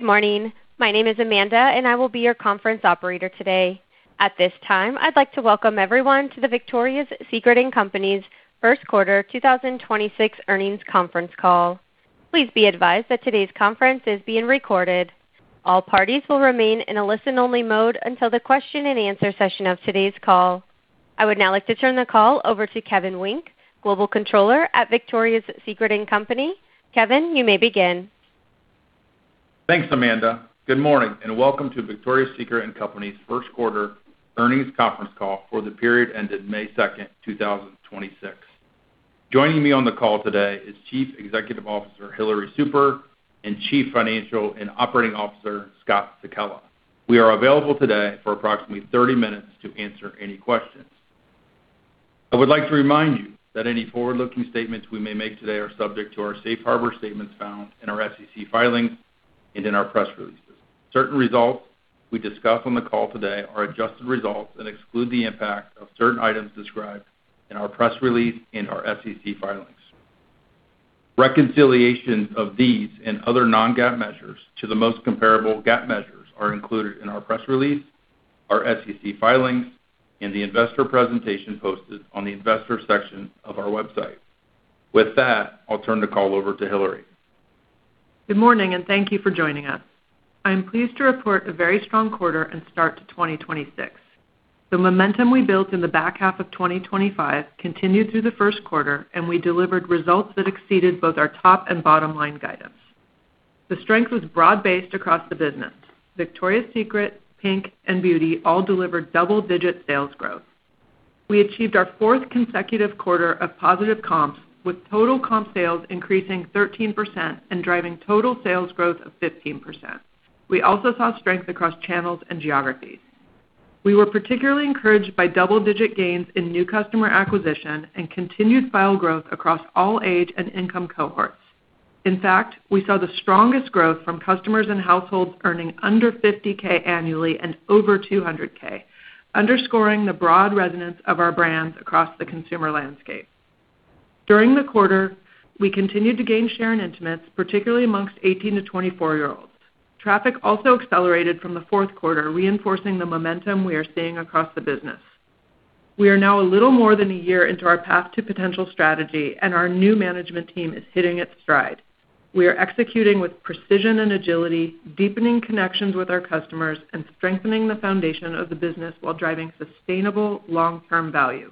Good morning. My name is Amanda, and I will be your conference operator today. At this time, I'd like to welcome everyone to the Victoria's Secret & Co.'s first quarter 2026 earnings conference call. Please be advised that today's conference is being recorded. All parties will remain in a listen-only mode until the question and answer session of today's call. I would now like to turn the call over to Kevin Wynk, Global Controller at Victoria's Secret & Co.. Kevin, you may begin. Thanks, Amanda. Good morning and welcome to Victoria's Secret & Co.'s first quarter earnings conference call for the period ended May 2, 2026. Joining me on the call today is Chief Executive Officer, Hillary Super, and Chief Financial and Operating Officer, Scott Sekella. We are available today for approximately 30 minutes to answer any questions. I would like to remind you that any forward-looking statements we may make today are subject to our safe harbor statements found in our SEC filings and in our press releases. Certain results we discuss on the call today are adjusted results that exclude the impact of certain items described in our press release and our SEC filings. Reconciliation of these and other non-GAAP measures to the most comparable GAAP measures are included in our press release, our SEC filings, and the investor presentation posted on the investor section of our website. With that, I'll turn the call over to Hillary. Good morning and thank you for joining us. I am pleased to report a very strong quarter and start to 2026. The momentum we built in the back half of 2025 continued through the first quarter, and we delivered results that exceeded both our top and bottom line guidance. The strength was broad-based across the business. Victoria's Secret, PINK, and Beauty all delivered double-digit sales growth. We achieved our fourth consecutive quarter of positive comps, with total comp sales increasing 13% and driving total sales growth of 15%. We also saw strength across channels and geographies. We were particularly encouraged by double-digit gains in new customer acquisition and continued file growth across all age and income cohorts. In fact, we saw the strongest growth from customers and households earning under $50,000 annually and over $200,000 underscoring the broad resonance of our brands across the consumer landscape. During the quarter, we continued to gain share in intimates, particularly amongst 18 to 24-year-olds. Traffic also accelerated from the fourth quarter, reinforcing the momentum we are seeing across the business. We are now a little more than a year into our Path to Potential strategy. Our new management team is hitting its stride. We are executing with precision and agility, deepening connections with our customers, and strengthening the foundation of the business while driving sustainable long-term value.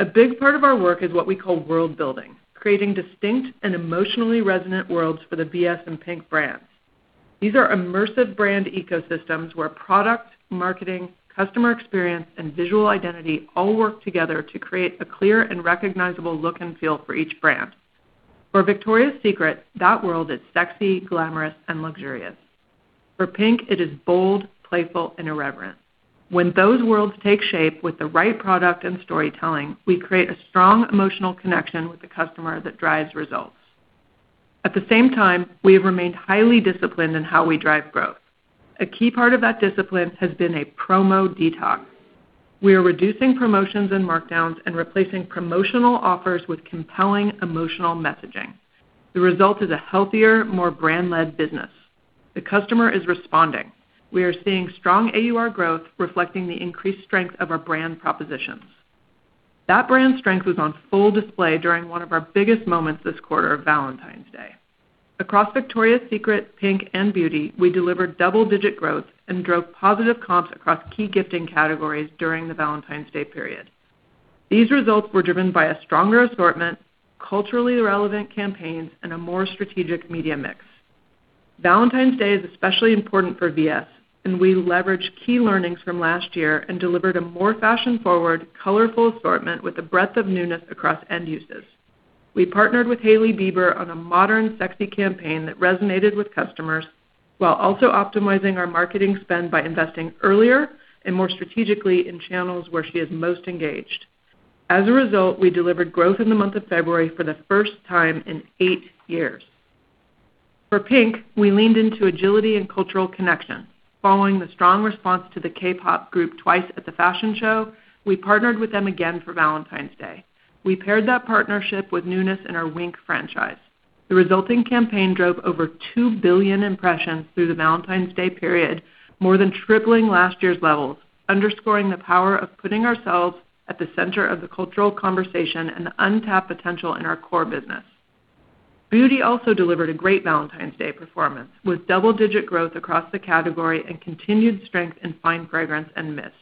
A big part of our work is what we call world building, creating distinct and emotionally resonant worlds for the VS and PINK brands. These are immersive brand ecosystems where product, marketing, customer experience, and visual identity all work together to create a clear and recognizable look and feel for each brand. For Victoria's Secret, that world is sexy, glamorous, and luxurious. For PINK, it is bold, playful, and irreverent. When those worlds take shape with the right product and storytelling, we create a strong emotional connection with the customer that drives results. At the same time, we have remained highly disciplined in how we drive growth. A key part of that discipline has been a promo detox. We are reducing promotions and markdowns and replacing promotional offers with compelling emotional messaging. The result is a healthier, more brand-led business. The customer is responding. We are seeing strong AUR growth reflecting the increased strength of our brand propositions. That brand strength was on full display during one of our biggest moments this quarter, Valentine's Day. Across Victoria's Secret, PINK, and Beauty, we delivered double-digit growth and drove positive comps across key gifting categories during the Valentine's Day period. These results were driven by a stronger assortment, culturally relevant campaigns, and a more strategic media mix. Valentine's Day is especially important for VS, and we leveraged key learnings from last year and delivered a more fashion-forward, colorful assortment with a breadth of newness across end uses. We partnered with Hailey Bieber on a modern, sexy campaign that resonated with customers while also optimizing our marketing spend by investing earlier and more strategically in channels where she is most engaged. As a result, we delivered growth in the month of February for the first time in 8 years. For PINK, we leaned into agility and cultural connection. Following the strong response to the K-pop group TWICE at the fashion show, we partnered with them again for Valentine's Day. We paired that partnership with newness in our Wink franchise. The resulting campaign drove over 2 billion impressions through the Valentine's Day period, more than tripling last year's levels, underscoring the power of putting ourselves at the center of the cultural conversation and the untapped potential in our core business. Beauty also delivered a great Valentine's Day performance, with double-digit growth across the category and continued strength in fine fragrance and mist.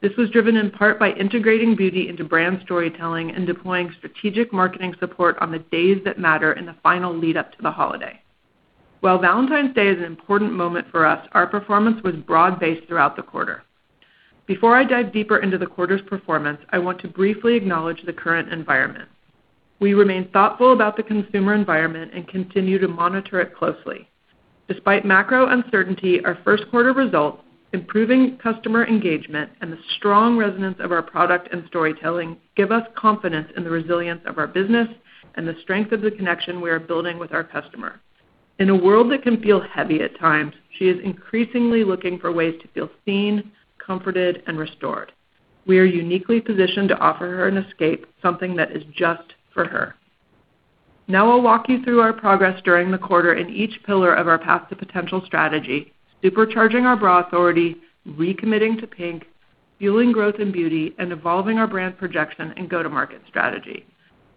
This was driven in part by integrating Beauty into brand storytelling and deploying strategic marketing support on the days that matter in the final lead up to the holiday. While Valentine's Day is an important moment for us, our performance was broad-based throughout the quarter. Before I dive deeper into the quarter's performance, I want to briefly acknowledge the current environment. We remain thoughtful about the consumer environment and continue to monitor it closely. Despite macro uncertainty, our first quarter results, improving customer engagement, and the strong resonance of our product and storytelling give us confidence in the resilience of our business and the strength of the connection we are building with our customer. In a world that can feel heavy at times, she is increasingly looking for ways to feel seen, comforted, and restored. We are uniquely positioned to offer her an escape, something that is just for her. I'll walk you through our progress during the quarter in each pillar of our Path to Potential strategy: supercharging our bra authority, recommitting to PINK, fueling growth in Beauty, and evolving our brand projection and go-to-market strategy.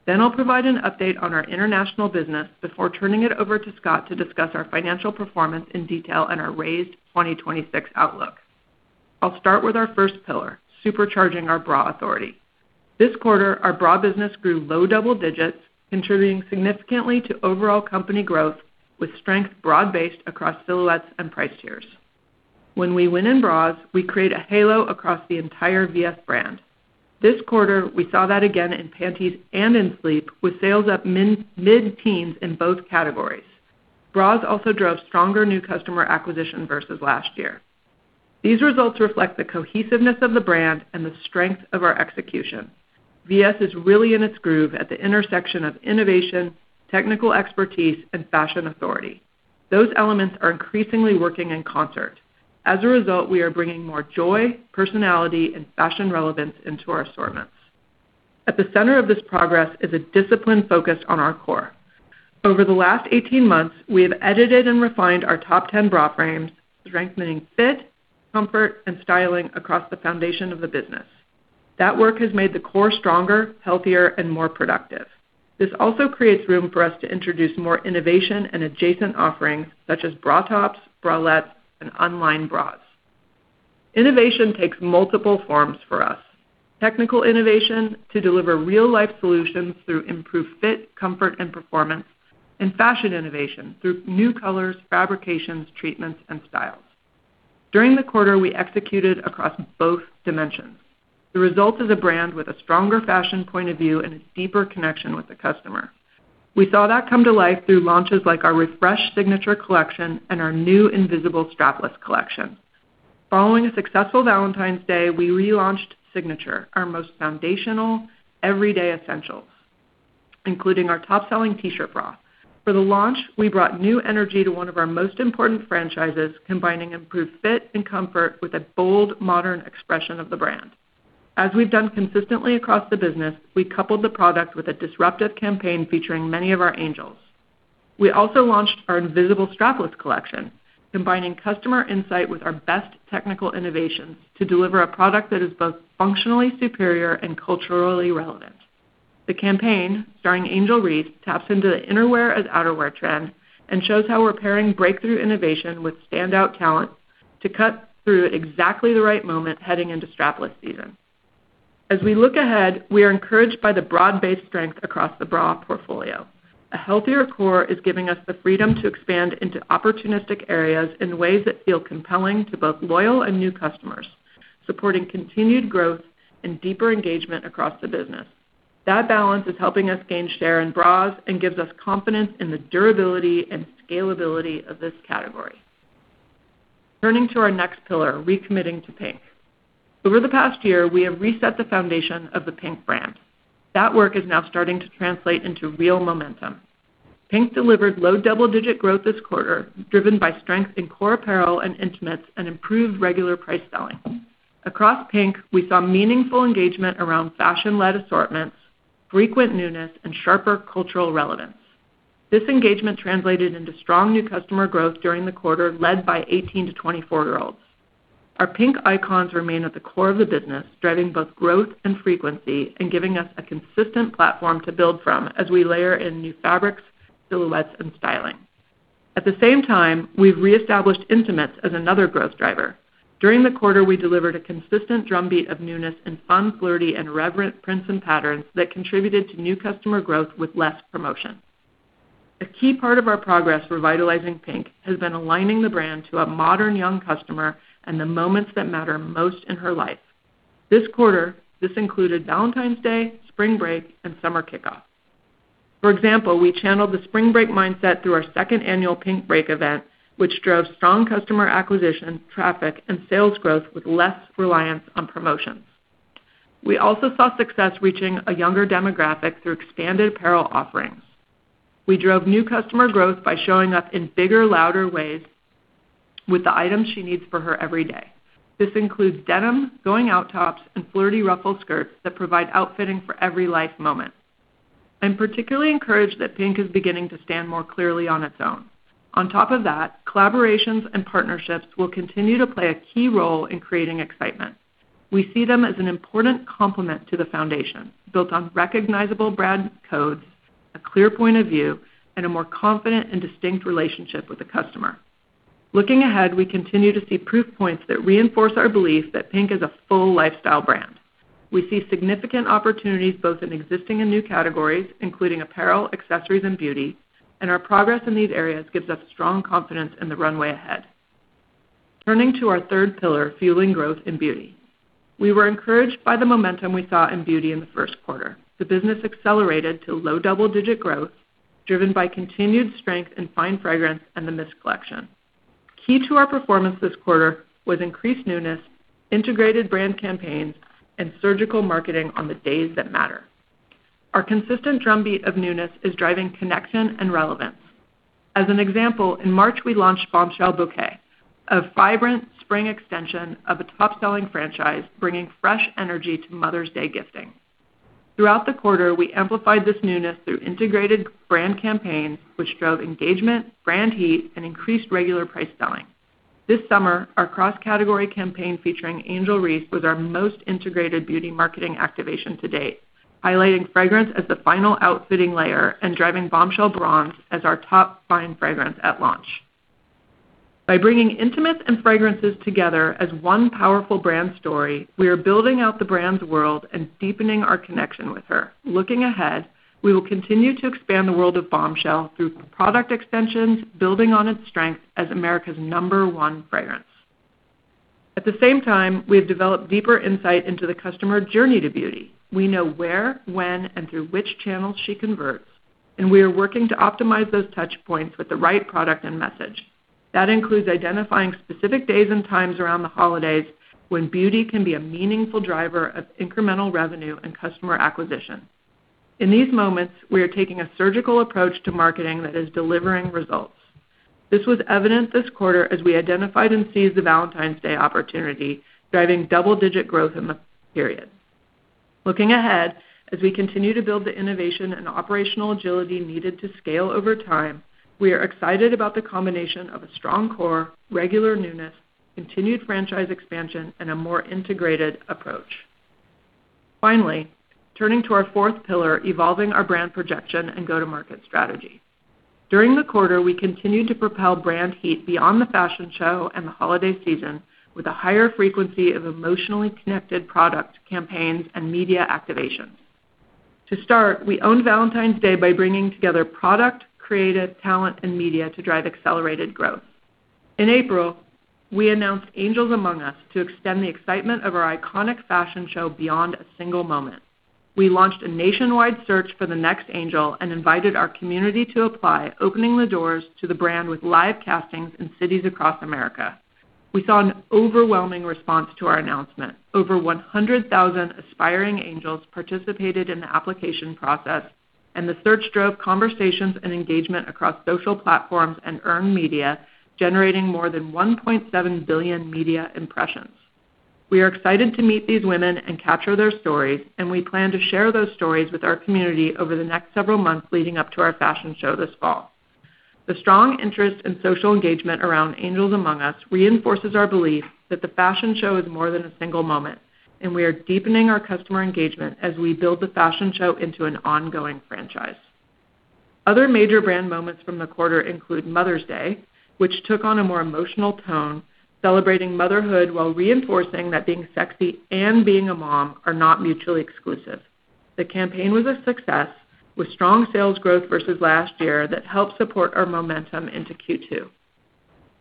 I'll provide an update on our international business before turning it over to Scott to discuss our financial performance in detail and our raised 2026 outlook. I'll start with our first pillar, supercharging our bra authority. This quarter, our bra business grew low double digits, contributing significantly to overall company growth with strength broad-based across silhouettes and price tiers. When we win in bras, we create a halo across the entire VS brand. This quarter, we saw that again in panties and in sleep with sales up mid-teens in both categories. Bras also drove stronger new customer acquisition versus last year. These results reflect the cohesiveness of the brand and the strength of our execution. VS is really in its groove at the intersection of innovation, technical expertise, and fashion authority. Those elements are increasingly working in concert. As a result, we are bringing more joy, personality, and fashion relevance into our assortments. At the center of this progress is a disciplined focus on our core. Over the last 18 months, we have edited and refined our top 10 bra frames, strengthening fit, comfort, and styling across the foundation of the business. That work has made the core stronger, healthier, and more productive. This also creates room for us to introduce more innovation and adjacent offerings such as bra tops, bralettes, and online bras. Innovation takes multiple forms for us. Technical innovation to deliver real-life solutions through improved fit, comfort, and performance, and fashion innovation through new colors, fabrications, treatments, and styles. During the quarter, we executed across both dimensions. The result is a brand with a stronger fashion point of view and a deeper connection with the customer. We saw that come to life through launches like our refreshed Signature collection and our new Invisible Strapless collection. Following a successful Valentine's Day, we relaunched Signature, our most foundational, everyday essentials, including our top-selling T-shirt bra. For the launch, we brought new energy to one of our most important franchises, combining improved fit and comfort with a bold, modern expression of the brand. As we've done consistently across the business, we coupled the product with a disruptive campaign featuring many of our Angels. We also launched our Invisible Strapless collection, combining customer insight with our best technical innovations to deliver a product that is both functionally superior and culturally relevant. The campaign, starring Angel Reese, taps into the outerwear as outerwear trend and shows how we're pairing breakthrough innovation with standout talent to cut through at exactly the right moment heading into strapless season. As we look ahead, we are encouraged by the broad-based strength across the bra portfolio. A healthier core is giving us the freedom to expand into opportunistic areas in ways that feel compelling to both loyal and new customers, supporting continued growth and deeper engagement across the business. That balance is helping us gain share in bras and gives us confidence in the durability and scalability of this category. Turning to our next pillar, recommitting to PINK. Over the past year, we have reset the foundation of the PINK brand. That work is now starting to translate into real momentum. PINK delivered low double-digit growth this quarter, driven by strength in core apparel and intimates and improved regular price selling. Across PINK, we saw meaningful engagement around fashion-led assortments, frequent newness, and sharper cultural relevance. This engagement translated into strong new customer growth during the quarter led by 18-24-year-olds. Our PINK icons remain at the core of the business, driving both growth and frequency and giving us a consistent platform to build from as we layer in new fabrics, silhouettes, and styling. At the same time, we've re-established intimates as another growth driver. During the quarter, we delivered a consistent drumbeat of newness in fun, flirty, and reverent prints and patterns that contributed to new customer growth with less promotion. A key part of our progress revitalizing PINK has been aligning the brand to a modern young customer and the moments that matter most in her life. This quarter, this included Valentine's Day, spring break, and summer kickoff. For example, we channeled the spring break mindset through our second annual PINK Break event, which drove strong customer acquisition, traffic, and sales growth with less reliance on promotions. We also saw success reaching a younger demographic through expanded apparel offerings. We drove new customer growth by showing up in bigger, louder ways with the items she needs for her every day. This includes denim, going-out tops, and flirty ruffle skirts that provide outfitting for every life moment. I'm particularly encouraged that PINK is beginning to stand more clearly on its own. On top of that, collaborations and partnerships will continue to play a key role in creating excitement. We see them as an important complement to the foundation, built on recognizable brand codes, a clear point of view, and a more confident and distinct relationship with the customer. Looking ahead, we continue to see proof points that reinforce our belief that PINK is a full lifestyle brand. We see significant opportunities both in existing and new categories, including apparel, accessories, and Beauty, and our progress in these areas gives us strong confidence in the runway ahead. Turning to our third pillar, fueling growth in Beauty. We were encouraged by the momentum we saw in Beauty in the first quarter. The business accelerated to low double-digit growth, driven by continued strength in fine fragrance and the Mist collection. Key to our performance this quarter was increased newness, integrated brand campaigns, and surgical marketing on the days that matter. Our consistent drumbeat of newness is driving connection and relevance. As an example, in March, we launched Bombshell Bouquet, a vibrant spring extension of a top-selling franchise, bringing fresh energy to Mother's Day gifting. Throughout the quarter, we amplified this newness through integrated brand campaigns, which drove engagement, brand heat, and increased regular price selling. T his summer, our cross-category campaign featuring Angel Reese was our most integrated Beauty marketing activation to date, highlighting fragrance as the final outfitting layer and driving Bombshell Bronze as our top fine fragrance at launch. By bringing intimates and fragrances together as one powerful brand story, we are building out the brand's world and deepening our connection with her. Looking ahead, we will continue to expand the world of Bombshell through product extensions, building on its strength as America's number one fragrance. At the same time, we have developed deeper insight into the customer journey to Beauty. We know where, when, and through which channels she converts, and we are working to optimize those touch points with the right product and message. That includes identifying specific days and times around the holidays when Beauty can be a meaningful driver of incremental revenue and customer acquisition. In these moments, we are taking a surgical approach to marketing that is delivering results. This was evident this quarter as we identified and seized the Valentine's Day opportunity, driving double-digit growth in the period. Looking ahead, as we continue to build the innovation and operational agility needed to scale over time, we are excited about the combination of a strong core, regular newness, continued franchise expansion, and a more integrated approach. Finally, turning to our fourth pillar, evolving our brand projection and go-to-market strategy. During the quarter, we continued to propel brand heat beyond the fashion show and the holiday season with a higher frequency of emotionally connected product campaigns and media activations. To start, we owned Valentine's Day by bringing together product, creative talent, and media to drive accelerated growth. In April, we announced Angels Among Us to extend the excitement of our iconic fashion show beyond a single moment. We launched a nationwide search for the next Angel and invited our community to apply, opening the doors to the brand with live castings in cities across America. We saw an overwhelming response to our announcement. Over 100,000 aspiring Angels participated in the application process. The search drove conversations and engagement across social platforms and earned media, generating more than 1.7 billion media impressions. We are excited to meet these women and capture their stories. We plan to share those stories with our community over the next several months leading up to our fashion show this fall. The strong interest and social engagement around Angels Among Us reinforces our belief that the fashion show is more than a single moment. We are deepening our customer engagement as we build the fashion show into an ongoing franchise. Other major brand moments from the quarter include Mother's Day, which took on a more emotional tone, celebrating motherhood while reinforcing that being sexy and being a mom are not mutually exclusive. The campaign was a success with strong sales growth versus last year that helped support our momentum into Q2.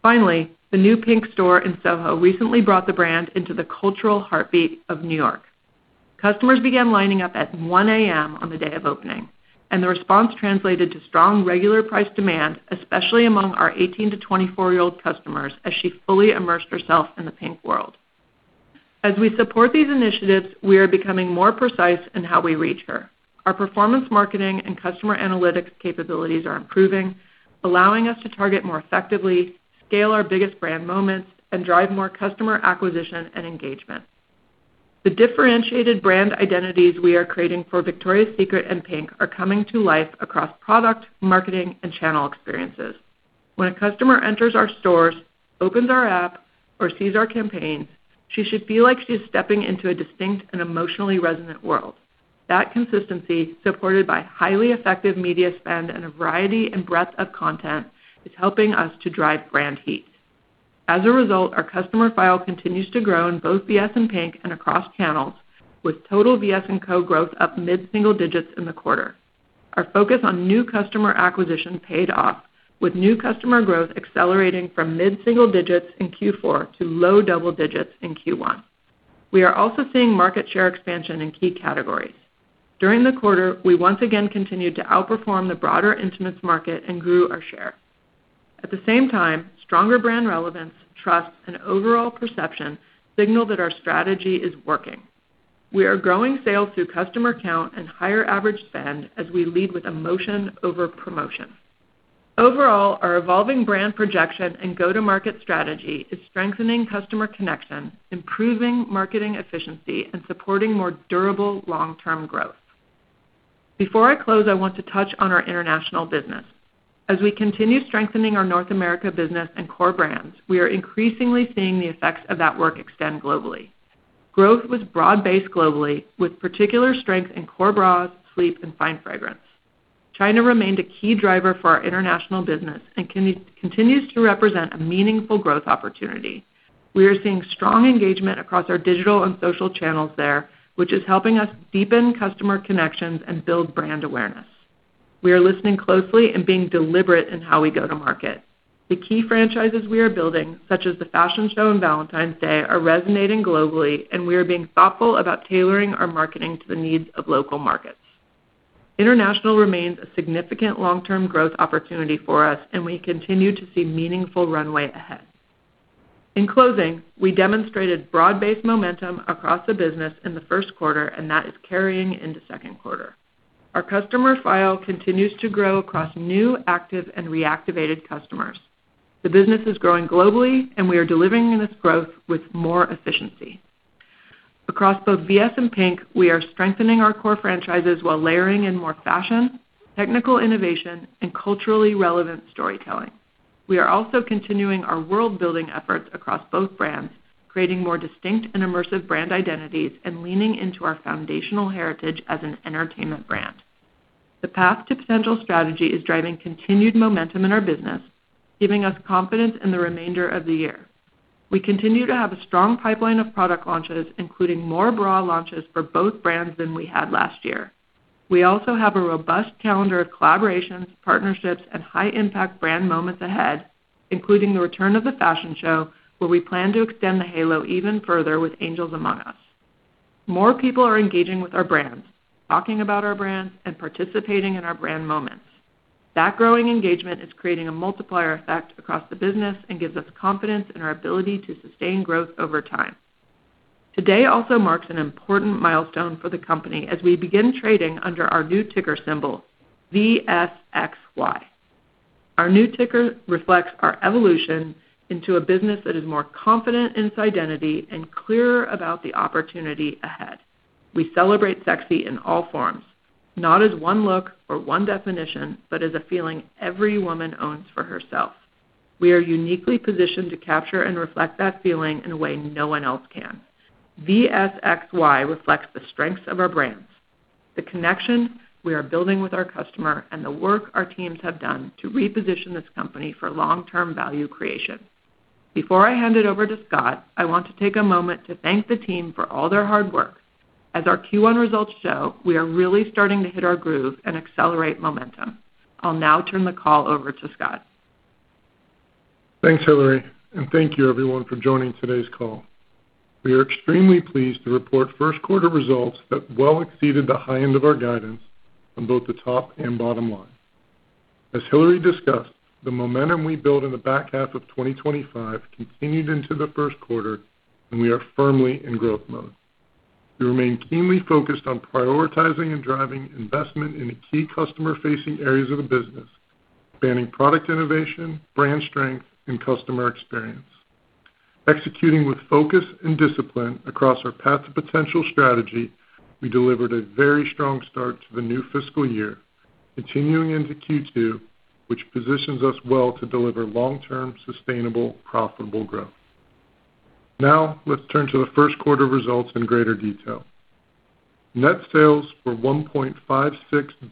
Finally, the new PINK store in SoHo recently brought the brand into the cultural heartbeat of New York. Customers began lining up at 1:00 A.M. on the day of opening, and the response translated to strong, regular priced demand, especially among our 18 to 24-year-old customers, as she fully immersed herself in the PINK world. As we support these initiatives, we are becoming more precise in how we reach her. Our performance marketing and customer analytics capabilities are improving, allowing us to target more effectively, scale our biggest brand moments, and drive more customer acquisition and engagement. The differentiated brand identities we are creating for Victoria's Secret and PINK are coming to life across product, marketing, and channel experiences. When a customer enters our stores, opens our app, or sees our campaigns, she should feel like she's stepping into a distinct and emotionally resonant world. That consistency, supported by highly effective media spend and a variety and breadth of content, is helping us to drive brand heat. As a result, our customer file continues to grow in both VS and PINK and across channels, with total VS&Co growth up mid-single digits in the quarter. Our focus on new customer acquisition paid off, with new customer growth accelerating from mid-single digits in Q4 to low double digits in Q1. We are also seeing market share expansion in key categories. During the quarter, we once again continued to outperform the broader intimates market and grew our share. At the same time, stronger brand relevance, trust, and overall perception signal that our strategy is working. We are growing sales through customer count and higher average spend as we lead with emotion over promotion. Overall, our evolving brand projection and go-to-market strategy is strengthening customer connection, improving marketing efficiency, and supporting more durable long-term growth. Before I close, I want to touch on our international business. As we continue strengthening our North America business and core brands, we are increasingly seeing the effects of that work extend globally. Growth was broad-based globally with particular strength in core bras, sleep, and fine fragrance. China remained a key driver for our international business and continues to represent a meaningful growth opportunity. We are seeing strong engagement across our digital and social channels there, which is helping us deepen customer connections and build brand awareness. We are listening closely and being deliberate in how we go to market. The key franchises we are building, such as the fashion show and Valentine's Day, are resonating globally, and we are being thoughtful about tailoring our marketing to the needs of local markets. International remains a significant long-term growth opportunity for us, and we continue to see meaningful runway ahead. In closing, we demonstrated broad-based momentum across the business in the first quarter, and that is carrying into second quarter. Our customer file continues to grow across new, active, and reactivated customers. The business is growing globally, and we are delivering this growth with more efficiency. Across both VS and PINK, we are strengthening our core franchises while layering in more fashion, technical innovation, and culturally relevant storytelling. We are also continuing our world-building efforts across both brands, creating more distinct and immersive brand identities, and leaning into our foundational heritage as an entertainment brand. The Path to Potential strategy is driving continued momentum in our business, giving us confidence in the remainder of the year. We continue to have a strong pipeline of product launches, including more bra launches for both brands than we had last year. We also have a robust calendar of collaborations, partnerships, and high-impact brand moments ahead, including the return of the fashion show, where we plan to extend the halo even further with Angels Among Us. More people are engaging with our brands, talking about our brands, and participating in our brand moments. That growing engagement is creating a multiplier effect across the business and gives us confidence in our ability to sustain growth over time. Today also marks an important milestone for the company as we begin trading under our new ticker symbol, VSXY. Our new ticker reflects our evolution into a business that is more confident in its identity and clearer about the opportunity ahead. We celebrate sexy in all forms. Not as one look or one definition, but as a feeling every woman owns for herself. We are uniquely positioned to capture and reflect that feeling in a way no one else can. VSXY reflects the strengths of our brands, the connection we are building with our customer, and the work our teams have done to reposition this company for long-term value creation. Before I hand it over to Scott, I want to take a moment to thank the team for all their hard work. As our Q1 results show, we are really starting to hit our groove and accelerate momentum. I'll now turn the call over to Scott. Thanks, Hillary. Thank you, everyone, for joining today's call. We are extremely pleased to report first quarter results that well exceeded the high end of our guidance on both the top and bottom line. As Hillary discussed, the momentum we built in the back half of 2025 continued into the first quarter, and we are firmly in growth mode. We remain keenly focused on prioritizing and driving investment in the key customer-facing areas of the business, spanning product innovation, brand strength, and customer experience. Executing with focus and discipline across our Path to Potential strategy, we delivered a very strong start to the new fiscal year, continuing into Q2, which positions us well to deliver long-term, sustainable, profitable growth. Now, let's turn to the first quarter results in greater detail. Net sales were $1.56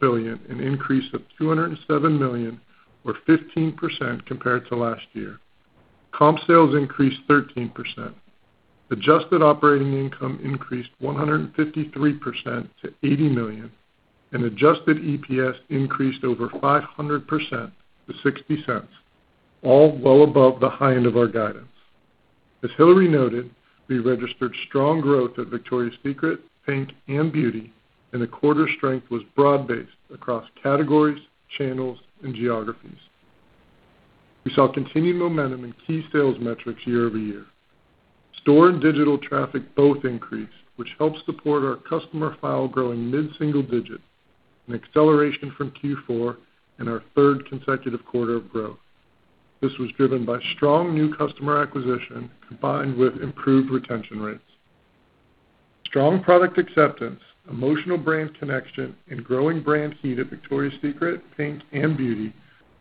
billion, an increase of $207 million or 15% compared to last year. Comp sales increased 13%. Adjusted operating income increased 153% to $80 million, and adjusted EPS increased over 500% to $0.60, all well above the high end of our guidance. As Hillary noted, we registered strong growth at Victoria's Secret, PINK, and Beauty, and the quarter's strength was broad-based across categories, channels, and geographies. We saw continued momentum in key sales metrics year-over-year. Store and digital traffic both increased, which helps support our customer file growing mid-single digits, an acceleration from Q4 and our third consecutive quarter of growth. This was driven by strong new customer acquisition combined with improved retention rates. Strong product acceptance, emotional brand connection, and growing brand heat at Victoria's Secret, PINK, and Beauty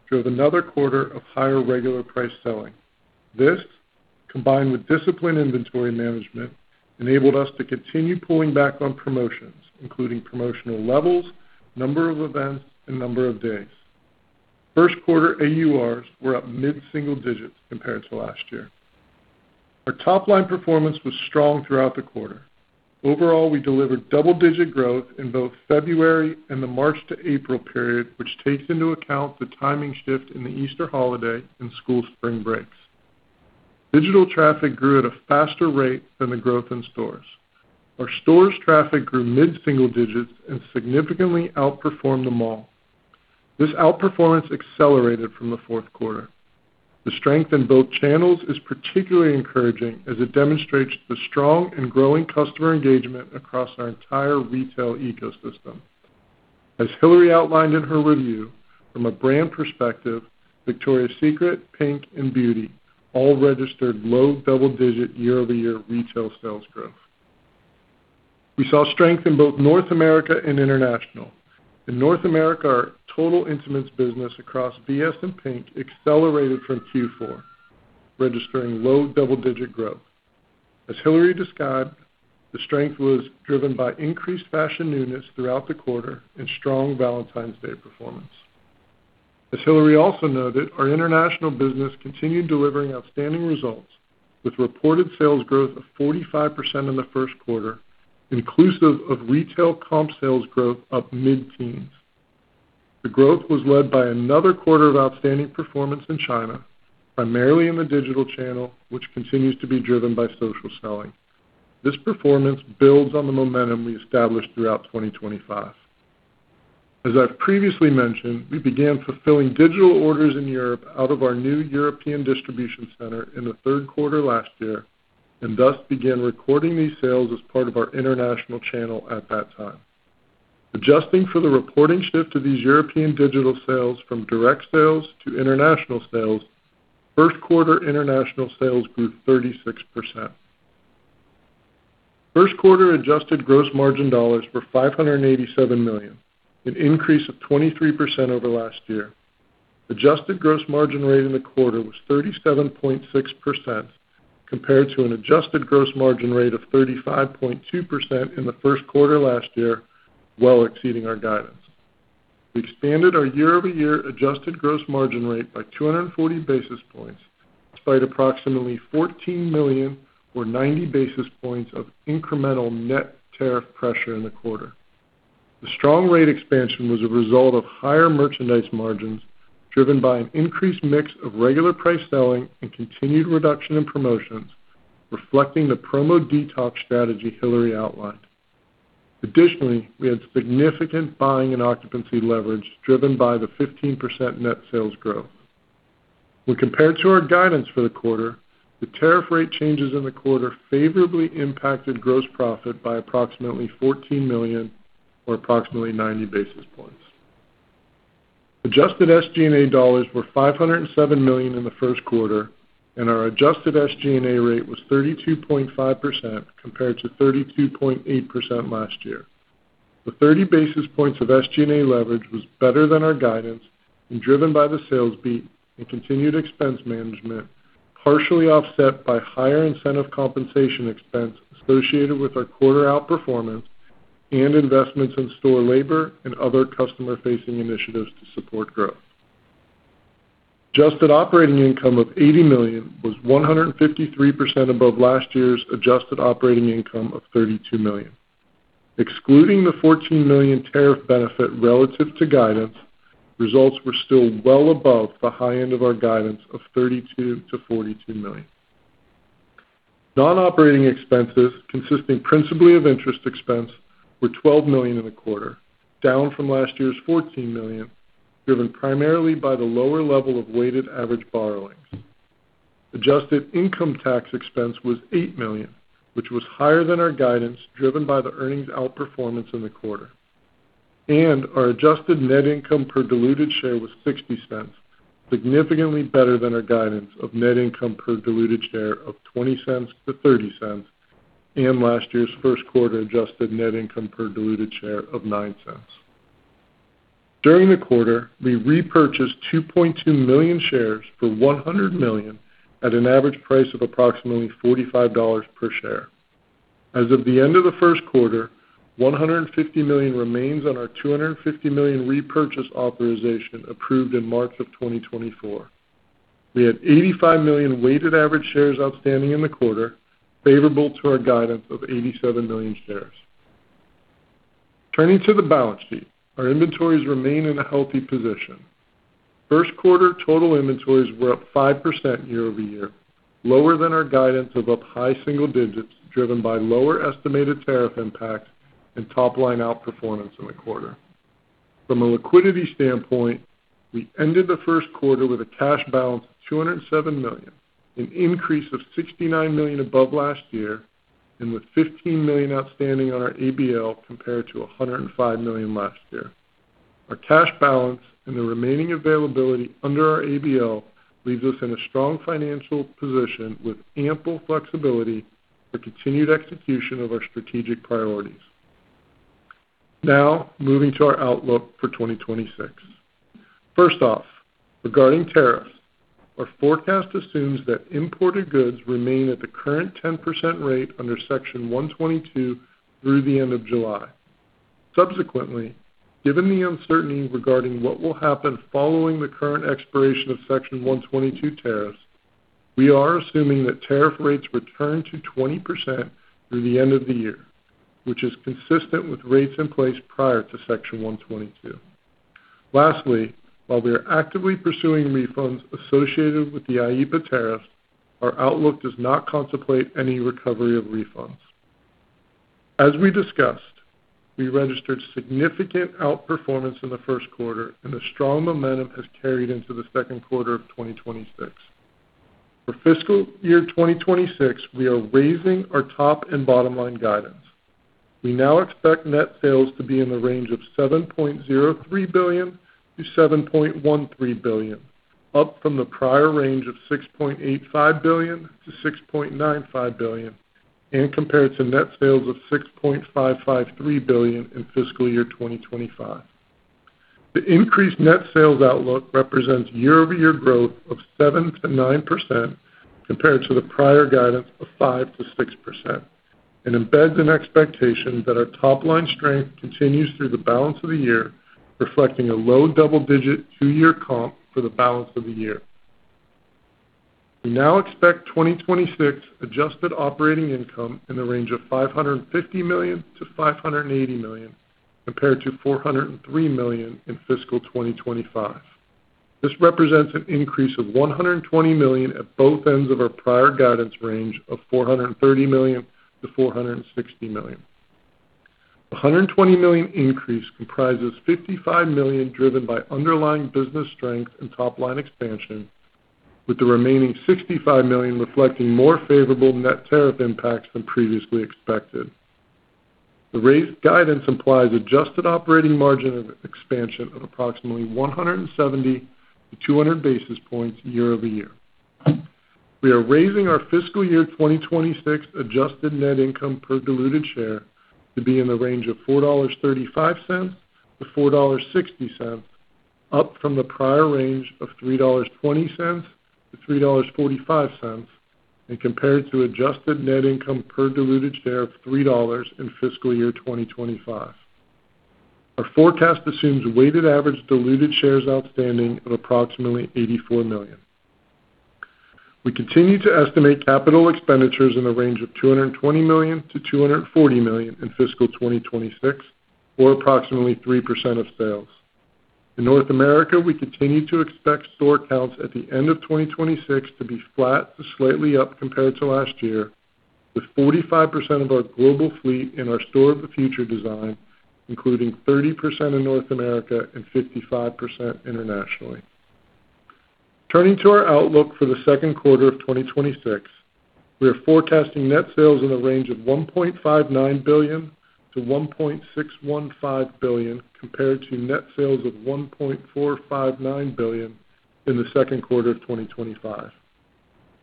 drove another quarter of higher regular price selling. This, combined with disciplined inventory management, enabled us to continue pulling back on promotions, including promotional levels, number of events, and number of days. First quarter AURs were up mid-single digits compared to last year. Our top-line performance was strong throughout the quarter. Overall, we delivered double-digit growth in both February and the March to April period, which takes into account the timing shift in the Easter holiday and school spring breaks. Digital traffic grew at a faster rate than the growth in stores. Our stores traffic grew mid-single digits and significantly outperformed the mall. This outperformance accelerated from the fourth quarter. The strength in both channels is particularly encouraging as it demonstrates the strong and growing customer engagement across our entire retail ecosystem. As Hillary outlined in her review, from a brand perspective, Victoria's Secret, PINK, and Beauty all registered low double-digit year-over-year retail sales growth. We saw strength in both North America and international. In North America, our total intimates business across VS and PINK accelerated from Q4, registering low double-digit growth. As Hillary described, the strength was driven by increased fashion newness throughout the quarter and strong Valentine's Day performance. As Hillary also noted, our international business continued delivering outstanding results with reported sales growth of 45% in the first quarter, inclusive of retail comp sales growth up mid-teens. The growth was led by another quarter of outstanding performance in China, primarily in the digital channel, which continues to be driven by social selling. This performance builds on the momentum we established throughout 2025. As I've previously mentioned, we began fulfilling digital orders in Europe out of our new European distribution center in the third quarter last year, and thus began recording these sales as part of our international channel at that time. Adjusting for the reporting shift of these European digital sales from direct sales to international sales, first quarter international sales grew 36%. First quarter adjusted gross margin dollars were $587 million, an increase of 23% over last year. Adjusted gross margin rate in the quarter was 37.6%, compared to an adjusted gross margin rate of 35.2% in the first quarter last year, well exceeding our guidance. We expanded our year-over-year adjusted gross margin rate by 240 basis points, despite approximately $14 million or 90 basis points of incremental net tariff pressure in the quarter. The strong rate expansion was a result of higher merchandise margins, driven by an increased mix of regular price selling and continued reduction in promotions, reflecting the promo detox strategy Hillary outlined. Additionally, we had significant buying and occupancy leverage driven by the 15% net sales growth. When compared to our guidance for the quarter, the tariff rate changes in the quarter favorably impacted gross profit by approximately $14 million or approximately 90 basis points. Adjusted SG&A dollars were $507 million in the first quarter. Our adjusted SG&A rate was 32.5% compared to 32.8% last year. The 30 basis points of SG&A leverage was better than our guidance and driven by the sales beat and continued expense management, partially offset by higher incentive compensation expense associated with our quarter outperformance and investments in store labor and other customer-facing initiatives to support growth. Adjusted operating income of $80 million was 153% above last year's adjusted operating income of $32 million. Excluding the $14 million tariff benefit relative to guidance, results were still well above the high end of our guidance of $32 million-$42 million. Non-operating expenses, consisting principally of interest expense, were $12 million in the quarter, down from last year's $14 million, driven primarily by the lower level of weighted average borrowings. Adjusted income tax expense was $8 million, which was higher than our guidance, driven by the earnings outperformance in the quarter. Our adjusted net income per diluted share was $0.60, significantly better than our guidance of net income per diluted share of $0.20-$0.30 and last year's first quarter adjusted net income per diluted share of $0.09. During the quarter, we repurchased 2.2 million shares for $100 million at an average price of approximately $45 per share. As of the end of the first quarter, $150 million remains on our $250 million repurchase authorization approved in March of 2024. We had 85 million weighted average shares outstanding in the quarter, favorable to our guidance of 87 million shares. Turning to the balance sheet, our inventories remain in a healthy position. First quarter total inventories were up 5% year-over-year, lower than our guidance of up high single digits, driven by lower estimated tariff impacts and top-line outperformance in the quarter. From a liquidity standpoint, we ended the first quarter with a cash balance of $207 million, an increase of $69 million above last year, and with $15 million outstanding on our ABL compared to $105 million last year. Our cash balance and the remaining availability under our ABL leaves us in a strong financial position with ample flexibility for continued execution of our strategic priorities. Now, moving to our outlook for 2026. First off, regarding tariffs, our forecast assumes that imported goods remain at the current 10% rate under Section 122 through the end of July. Subsequently, given the uncertainty regarding what will happen following the current expiration of Section 122 tariffs, we are assuming that tariff rates return to 20% through the end of the year, which is consistent with rates in place prior to Section 122. Lastly, while we are actively pursuing refunds associated with the IEEPA tariff, our outlook does not contemplate any recovery of refunds. As we discussed, we registered significant outperformance in the first quarter and the strong momentum has carried into the second quarter of 2026. For fiscal year 2026, we are raising our top and bottom line guidance. We now expect net sales to be in the range of $7.03 billion-$7.13 billion, up from the prior range of $6.85 billion-$6.95 billion and compared to net sales of $6.553 billion in fiscal year 2025. The increased net sales outlook represents year-over-year growth of 7%-9% compared to the prior guidance of 5%-6% and embeds an expectation that our top-line strength continues through the balance of the year, reflecting a low double-digit two-year comp for the balance of the year. We now expect 2026 adjusted operating income in the range of $550 million-$580 million compared to $403 million in fiscal 2025. This represents an increase of $120 million at both ends of our prior guidance range of $430 million-$460 million. The $120 million increase comprises $55 million driven by underlying business strength and top-line expansion, with the remaining $65 million reflecting more favorable net tariff impacts than previously expected. The rate guidance implies adjusted operating margin expansion of approximately 170 to 200 basis points year-over-year. We are raising our fiscal year 2026 adjusted net income per diluted share to be in the range of $4.35-$4.60, up from the prior range of $3.20-$3.45, and compared to adjusted net income per diluted share of $3 in fiscal year 2025. Our forecast assumes weighted average diluted shares outstanding of approximately 84 million. We continue to estimate capital expenditures in the range of $220 million-$240 million in fiscal 2026, or approximately 3% of sales. In North America, we continue to expect store counts at the end of 2026 to be flat to slightly up compared to last year, with 45% of our global fleet in our Store of the Future design, including 30% in North America and 55% internationally. Turning to our outlook for the second quarter of 2026. We are forecasting net sales in the range of $1.59 billion-$1.615 billion, compared to net sales of $1.459 billion in the second quarter of 2025.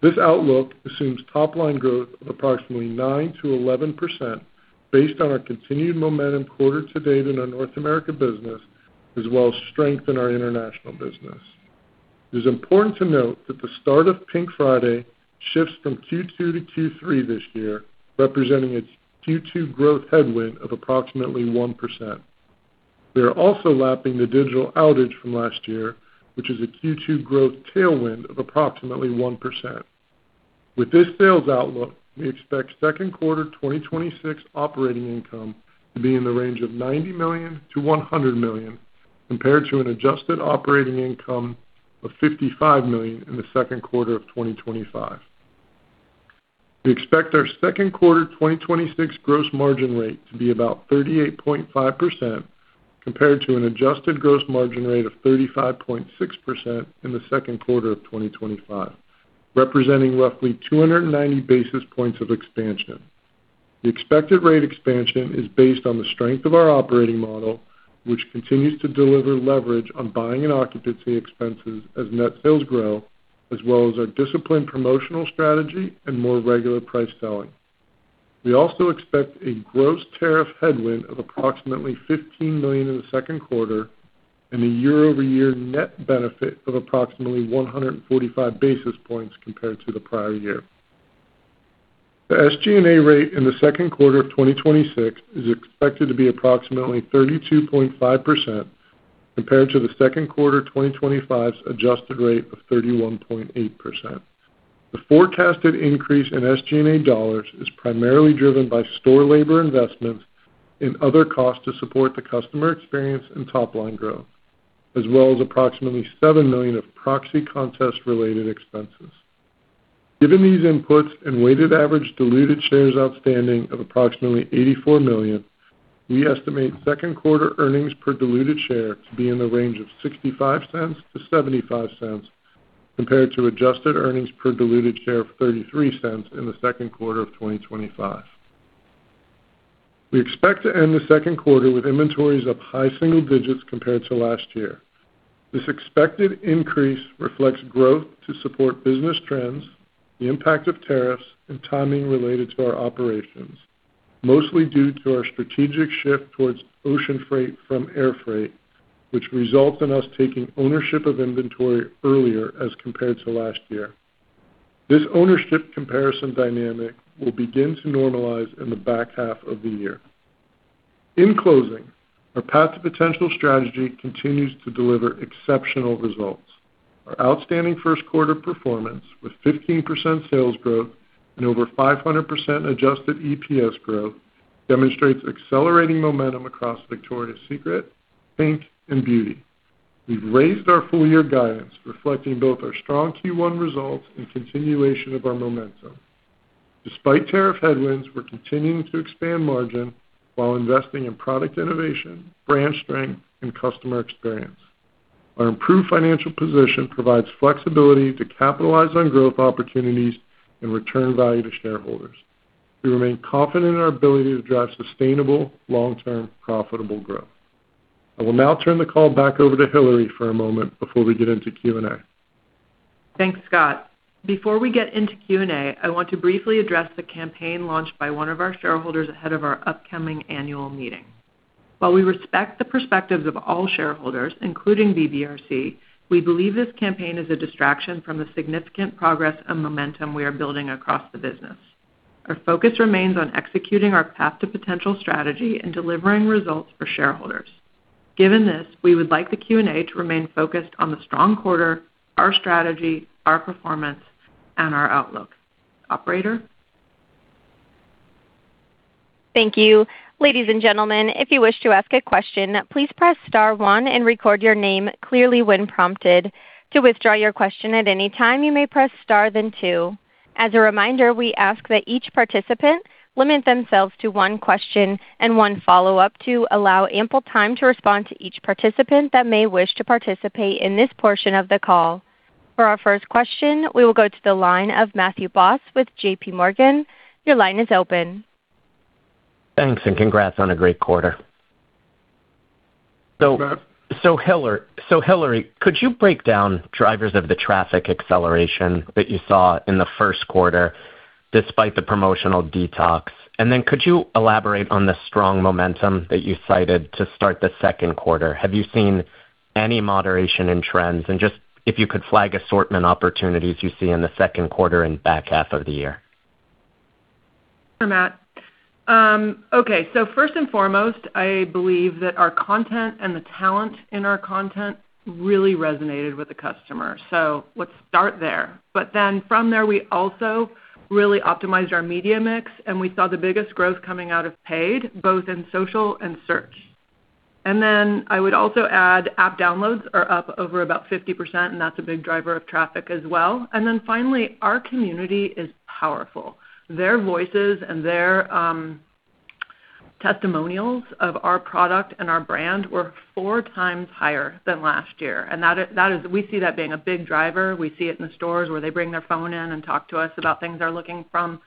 This outlook assumes top-line growth of approximately 9% to 11%, based on our continued momentum quarter to date in our North America business, as well as strength in our international business. It is important to note that the start of PINK Friday shifts from Q2 to Q3 this year, representing a Q2 growth headwind of approximately 1%. We are also lapping the digital outage from last year, which is a Q2 growth tailwind of approximately 1%. With this sales outlook, we expect second quarter 2026 operating income to be in the range of $90 million-$100 million, compared to an adjusted operating income of $55 million in the second quarter of 2025. We expect our second quarter 2026 gross margin rate to be about 38.5%, compared to an adjusted gross margin rate of 35.6% in the second quarter of 2025, representing roughly 290 basis points of expansion. The expected rate expansion is based on the strength of our operating model, which continues to deliver leverage on buying and occupancy expenses as net sales grow, as well as our disciplined promotional strategy and more regular price selling. We also expect a gross tariff headwind of approximately $15 million in the second quarter and a year-over-year net benefit of approximately 145 basis points compared to the prior year. The SG&A rate in the second quarter of 2026 is expected to be approximately 32.5%, compared to the second quarter 2025's adjusted rate of 31.8%. The forecasted increase in SG&A dollars is primarily driven by store labor investments and other costs to support the customer experience and top-line growth, as well as approximately $7 million of proxy contest-related expenses. Given these inputs and weighted average diluted shares outstanding of approximately 84 million, we estimate second quarter earnings per diluted share to be in the range of $0.65-$0.75, compared to adjusted earnings per diluted share of $0.33 in the second quarter of 2025. We expect to end the second quarter with inventories up high single digits compared to last year. This expected increase reflects growth to support business trends, the impact of tariffs, and timing related to our operations, mostly due to our strategic shift towards ocean freight from air freight, which results in us taking ownership of inventory earlier as compared to last year. This ownership comparison dynamic will begin to normalize in the back half of the year. In closing, our Path to Potential strategy continues to deliver exceptional results. Our outstanding first quarter performance, with 15% sales growth and over 500% adjusted EPS growth, demonstrates accelerating momentum across Victoria's Secret, PINK, and Beauty. We've raised our full-year guidance, reflecting both our strong Q1 results and continuation of our momentum. Despite tariff headwinds, we're continuing to expand margin while investing in product innovation, brand strength, and customer experience. Our improved financial position provides flexibility to capitalize on growth opportunities and return value to shareholders. We remain confident in our ability to drive sustainable, long-term, profitable growth. I will now turn the call back over to Hillary for a moment before we get into Q&A. Thanks, Scott. Before we get into Q&A, I want to briefly address the campaign launched by one of our shareholders ahead of our upcoming annual meeting. While we respect the perspectives of all shareholders, including BBRC, we believe this campaign is a distraction from the significant progress and momentum we are building across the business. Our focus remains on executing our Path to Potential strategy and delivering results for shareholders. Given this, we would like the Q&A to remain focused on the strong quarter, our strategy, our performance, and our outlook. Operator? Thank you. Ladies and gentlemen, if you wish to ask a question, please press star one and record your name clearly when prompted. To withdraw your question at any time, you may press star, then two. As a reminder, we ask that each participant limit themselves to one question and one follow-up to allow ample time to respond to each participant that may wish to participate in this portion of the call. For our first question, we will go to the line of Matthew Boss with JPMorgan. Your line is open. Thanks. Congrats on a great quarter. You bet. Hillary, could you break down drivers of the traffic acceleration that you saw in the first quarter despite the promotional detox? Could you elaborate on the strong momentum that you cited to start the second quarter? Have you seen any moderation in trends? If you could flag assortment opportunities you see in the second quarter and back half of the year. Sure, Matt. Okay. First and foremost, I believe that our content and the talent in our content really resonated with the customer. Let's start there. From there, we also really optimized our media mix, and we saw the biggest growth coming out of paid, both in social and search. I would also add app downloads are up over about 50%, and that's a big driver of traffic as well. Finally, our community is powerful. Their voices and their testimonials of our product and our brand were four times higher than last year, and we see that being a big driver. We see it in the stores where they bring their phone in and talk to us about things they're looking from,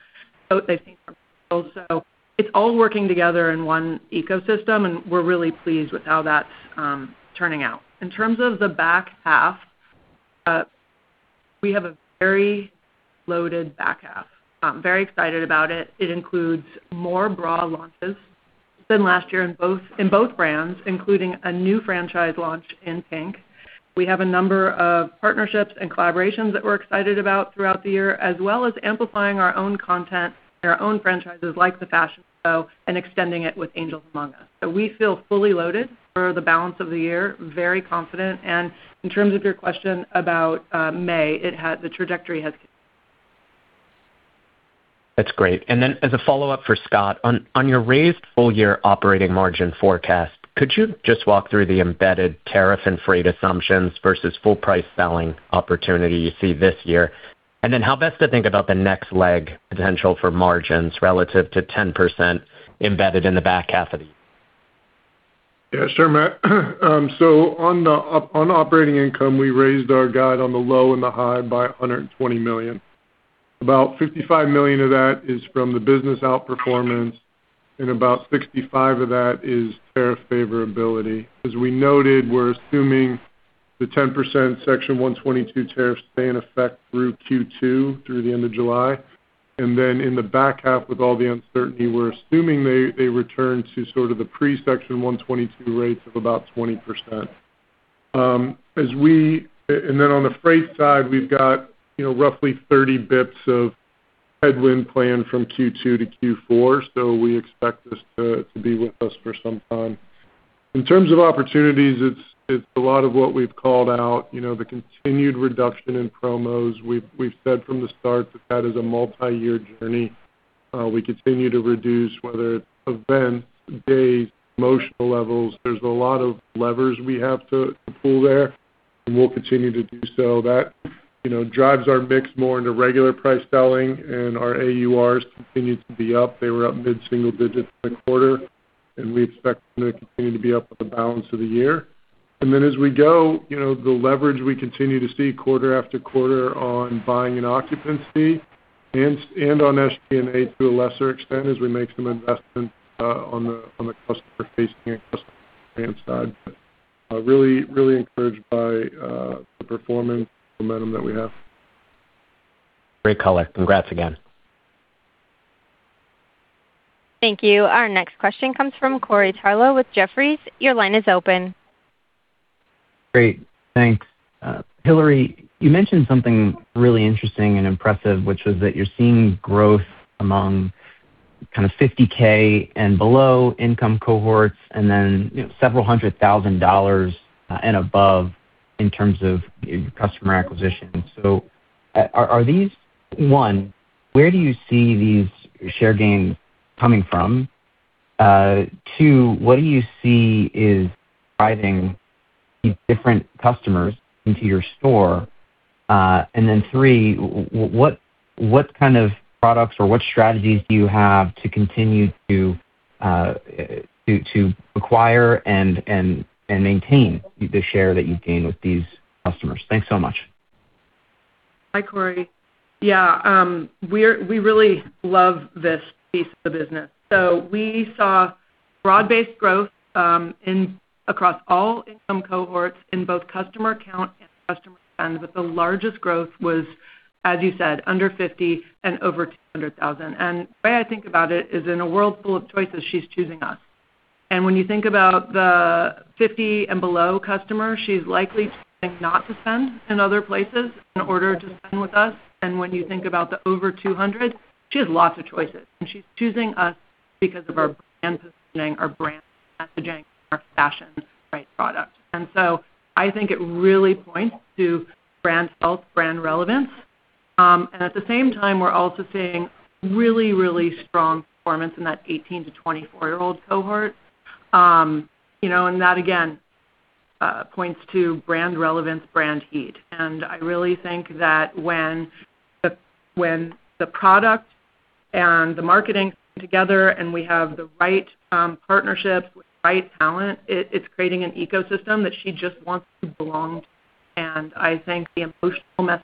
they think from also. It's all working together in one ecosystem, and we're really pleased with how that's turning out. In terms of the back half, we have a very loaded back half. I'm very excited about it. It includes more bra launches than last year in both brands, including a new franchise launch in PINK. We have a number of partnerships and collaborations that we're excited about throughout the year, as well as amplifying our own content and our own franchises, like the Fashion Show, and extending it with Angels Among Us. We feel fully loaded for the balance of the year, very confident. In terms of your question about May, the trajectory has That's great. As a follow-up for Scott, on your raised full-year operating margin forecast, could you just walk through the embedded tariff and freight assumptions versus full price selling opportunity you see this year? How best to think about the next leg potential for margins relative to 10% embedded in the back half of the year? Yeah, sure, Matt. On operating income, we raised our guide on the low and the high by $120 million. About $55 million of that is from the business outperformance, and about $65 million of that is tariff favorability. As we noted, we're assuming the 10% Section 122 tariffs stay in effect through Q2, through the end of July. In the back half with all the uncertainty, we're assuming they return to sort of the pre-Section 122 rates of about 20%. On the freight side, we've got roughly 30 basis points of headwind planned from Q2 to Q4, so we expect this to be with us for some time. In terms of opportunities, it's a lot of what we've called out. The continued reduction in promos. We've said from the start that that is a multi-year journey. We continue to reduce whether it's events, days, promotional levels. There's a lot of levers we have to pull there, and we'll continue to do so. That drives our mix more into regular price selling and our AURs continue to be up. They were up mid-single digits in the quarter, and we expect them to continue to be up for the balance of the year. As we go, the leverage we continue to see quarter after quarter on buying and occupancy and on SG&A to a lesser extent as we make some investments on the customer-facing and customer experience side. Really encouraged by the performance momentum that we have. Great color. Congrats again. Thank you. Our next question comes from Corey Tarlowe with Jefferies. Your line is open. Great. Thanks. Hillary, you mentioned something really interesting and impressive, which was that you're seeing growth among kind of $50,000 and below income cohorts and then several hundred thousand dollars and above in terms of your customer acquisition. Are these 1, where do you see these share gains coming from? 2, what do you see is driving these different customers into your store? 3, what kind of products or what strategies do you have to continue to acquire and maintain the share that you've gained with these customers? Thanks so much. Hi, Corey. Yeah. We really love this piece of the business. We saw broad-based growth across all income cohorts in both customer count and customer spend. The largest growth was, as you said, under 50 and over 200,000. The way I think about it is in a world full of choices, she's choosing us. When you think about the 50 and below customer, she's likely choosing not to spend in other places in order to spend with us. When you think about the over 200, she has lots of choices, and she's choosing us because of our brand positioning, our brand messaging, our fashion price product. I think it really points to brand health, brand relevance. At the same time, we're also seeing really, really strong performance in that 18 to 24-year-old cohort. That again, points to brand relevance, brand heat. I really think that when the product and the marketing come together and we have the right partnerships with the right talent, it's creating an ecosystem that she just wants to belong to. I think the emotional messaging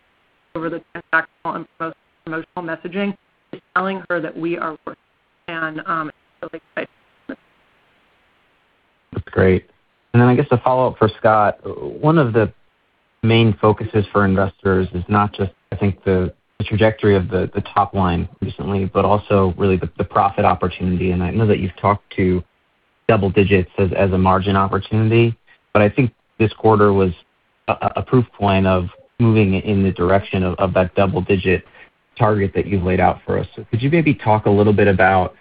over the transactional and promotional messaging is telling her that we are worth it, and it's really exciting. That's great. Then I guess a follow-up for Scott. One of the main focuses for investors is not just, I think, the trajectory of the top line recently, but also really the profit opportunity. I know that you've talked to double digits as a margin opportunity, but I think this quarter was a proof point of moving in the direction of that double-digit target that you've laid out for us. Could you maybe talk a little bit about,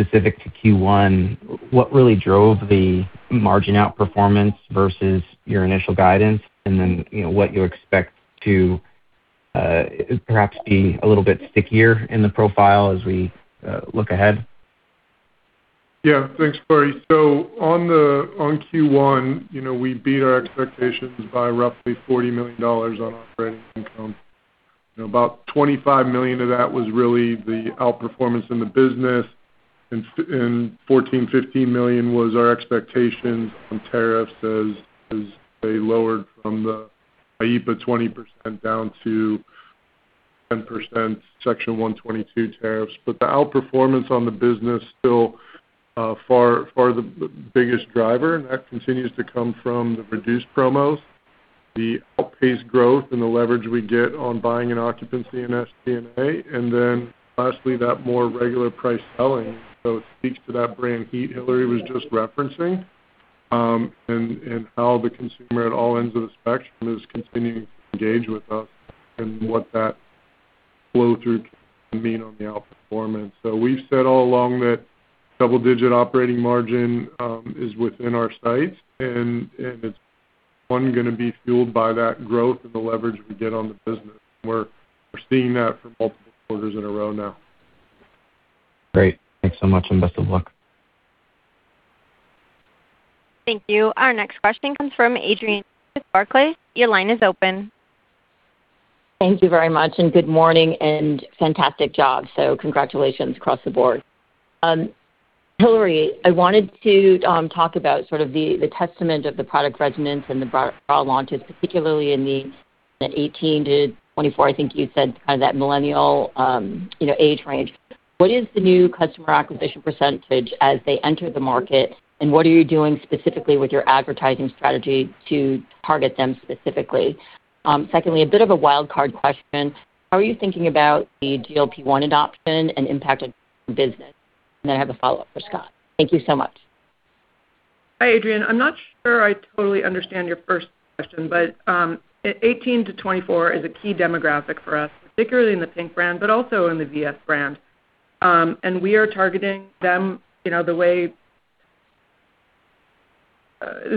specific to Q1, what really drove the margin outperformance versus your initial guidance? Then, what you expect to perhaps be a little bit stickier in the profile as we look ahead? Thanks, Corey. On Q1, we beat our expectations by roughly $40 million on operating income. About $25 million of that was really the outperformance in the business, and $14 million-$15 million was our expectations on tariffs as they lowered from the IEEPA 20% down to 10% Section 122 tariffs. The outperformance on the business still far the biggest driver, and that continues to come from the reduced promos, the outpaced growth and the leverage we get on buying and occupancy in SG&A. Lastly, that more regular price selling. It speaks to that brand heat Hillary was just referencing, and how the consumer at all ends of the spectrum is continuing to engage with us and what that flow through can mean on the outperformance. We've said all along that double-digit operating margin is within our sights, and it's one, going to be fueled by that growth and the leverage we get on the business. We're seeing that for multiple quarters in a row now. Great. Thanks so much, and best of luck. Thank you. Our next question comes from Adrienne with Barclays. Your line is open. Thank you very much, and good morning, and fantastic job. Congratulations across the board. Hillary, I wanted to talk about the testament of the product resonance and the bra launches, particularly in the 18 to 24, I think you said, kind of that millennial age range. What is the new customer acquisition percentage as they enter the market, and what are you doing specifically with your advertising strategy to target them specifically? Secondly, a bit of a wild card question. How are you thinking about the GLP-1 adoption and impact of business? Then I have a follow-up for Scott. Thank you so much. Hi, Adrienne. I'm not sure I totally understand your first question, but 18 to 24 is a key demographic for us, particularly in the PINK brand, but also in the VS brand. We are targeting them in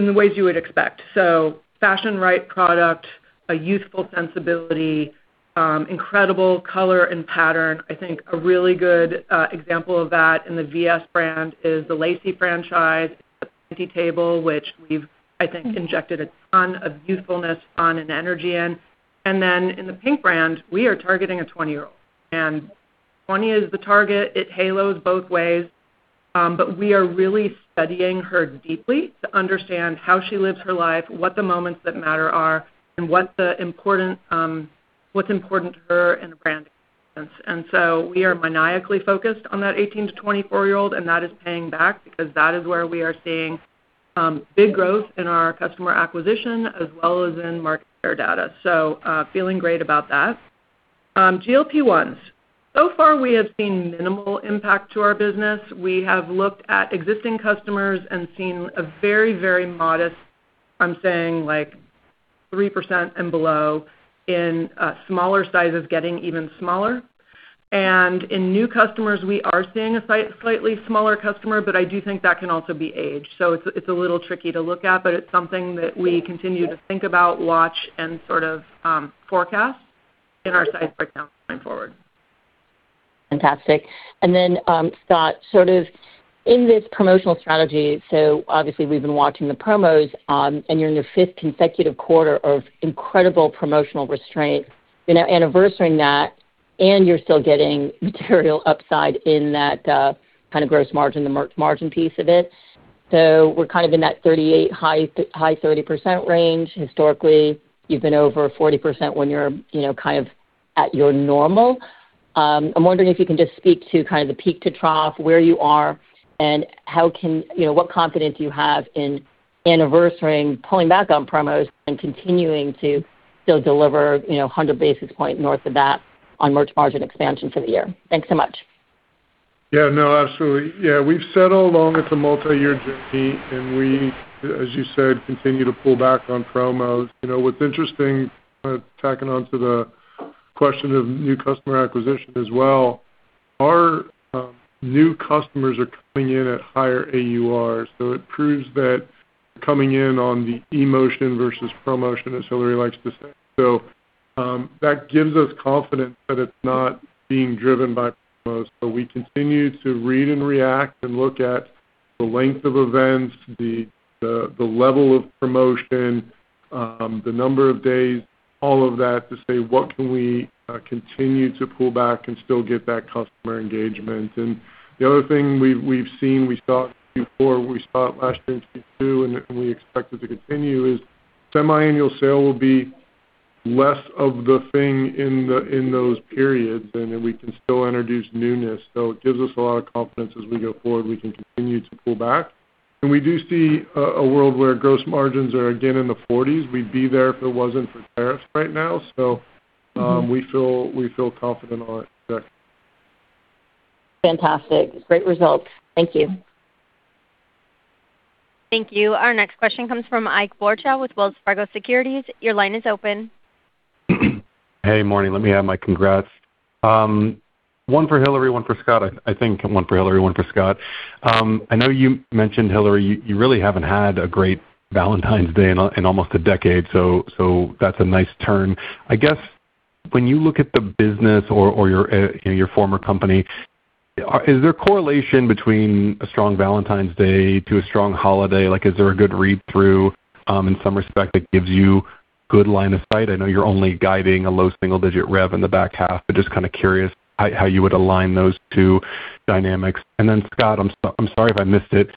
the ways you would expect. Fashion right product, a youthful sensibility, incredible color and pattern. I think a really good example of that in the VS brand is The Lacie franchise, the [Pink Table], which we've, I think, injected a ton of youthfulness on and energy in. In the PINK brand, we are targeting a 20-year-old. 20 is the target. It halos both ways. We are really studying her deeply to understand how she lives her life, what the moments that matter are, and what's important to her in a brand. We are maniacally focused on that 18 to 24-year-old, and that is paying back because that is where we are seeing big growth in our customer acquisition as well as in market share data. Feeling great about that. GLP-1s. So far, we have seen minimal impact to our business. We have looked at existing customers and seen a very, very modest, I'm saying like 3% and below in smaller sizes getting even smaller. In new customers, we are seeing a slightly smaller customer, but I do think that can also be age. It's a little tricky to look at, but it's something that we continue to think about, watch, and sort of forecast in our size right now going forward. Fantastic. Then, Scott Sekella, sort of in this promotional strategy, obviously we've been watching the promos, you're in your fifth consecutive quarter of incredible promotional restraint. Anniversaring that, you're still getting material upside in that gross margin, the merch margin piece of it. We're in that 38 high 30% range. Historically, you've been over 40% when you're at your normal. I'm wondering if you can just speak to the peak to trough, where you are, and what confidence you have in anniversaring pulling back on promos and continuing to still deliver 100 basis point north of that on merch margin expansion for the year. Thanks so much. Yeah, no, absolutely. Yeah, we've said all along it's a multiyear journey, and we, as you said, continue to pull back on promos. What's interesting, tacking on to the question of new customer acquisition as well. Our new customers are coming in at higher AURs, so it proves that coming in on the emotion versus promotion, as Hillary likes to say. That gives us confidence that it's not being driven by promos. We continue to read and react and look at the length of events, the level of promotion, the number of days, all of that to say, what can we continue to pull back and still get that customer engagement? The other thing we've seen, we saw it Q4, we saw it last year in Q2, and we expect it to continue, is semiannual sale will be less of the thing in those periods. Then we can still introduce newness. It gives us a lot of confidence as we go forward we can continue to pull back. We do see a world where gross margins are again in the 40s. We'd be there if it wasn't for tariffs right now. We feel confident on it. Fantastic. Great results. Thank you. Thank you. Our next question comes from Ike Boruchow with Wells Fargo Securities. Your line is open. Hey morning, let me add my congrats. One for Hillary, one for Scott. I know you mentioned, Hillary, you really haven't had a great Valentine's Day in almost a decade. That's a nice turn. I guess when you look at the business or your former company, is there a correlation between a strong Valentine's Day to a strong holiday? Is there a good read-through, in some respect, that gives you good line of sight? I know you're only guiding a low single-digit rev in the back half, just kind of curious how you would align those two dynamics. Scott, I'm sorry if I missed it.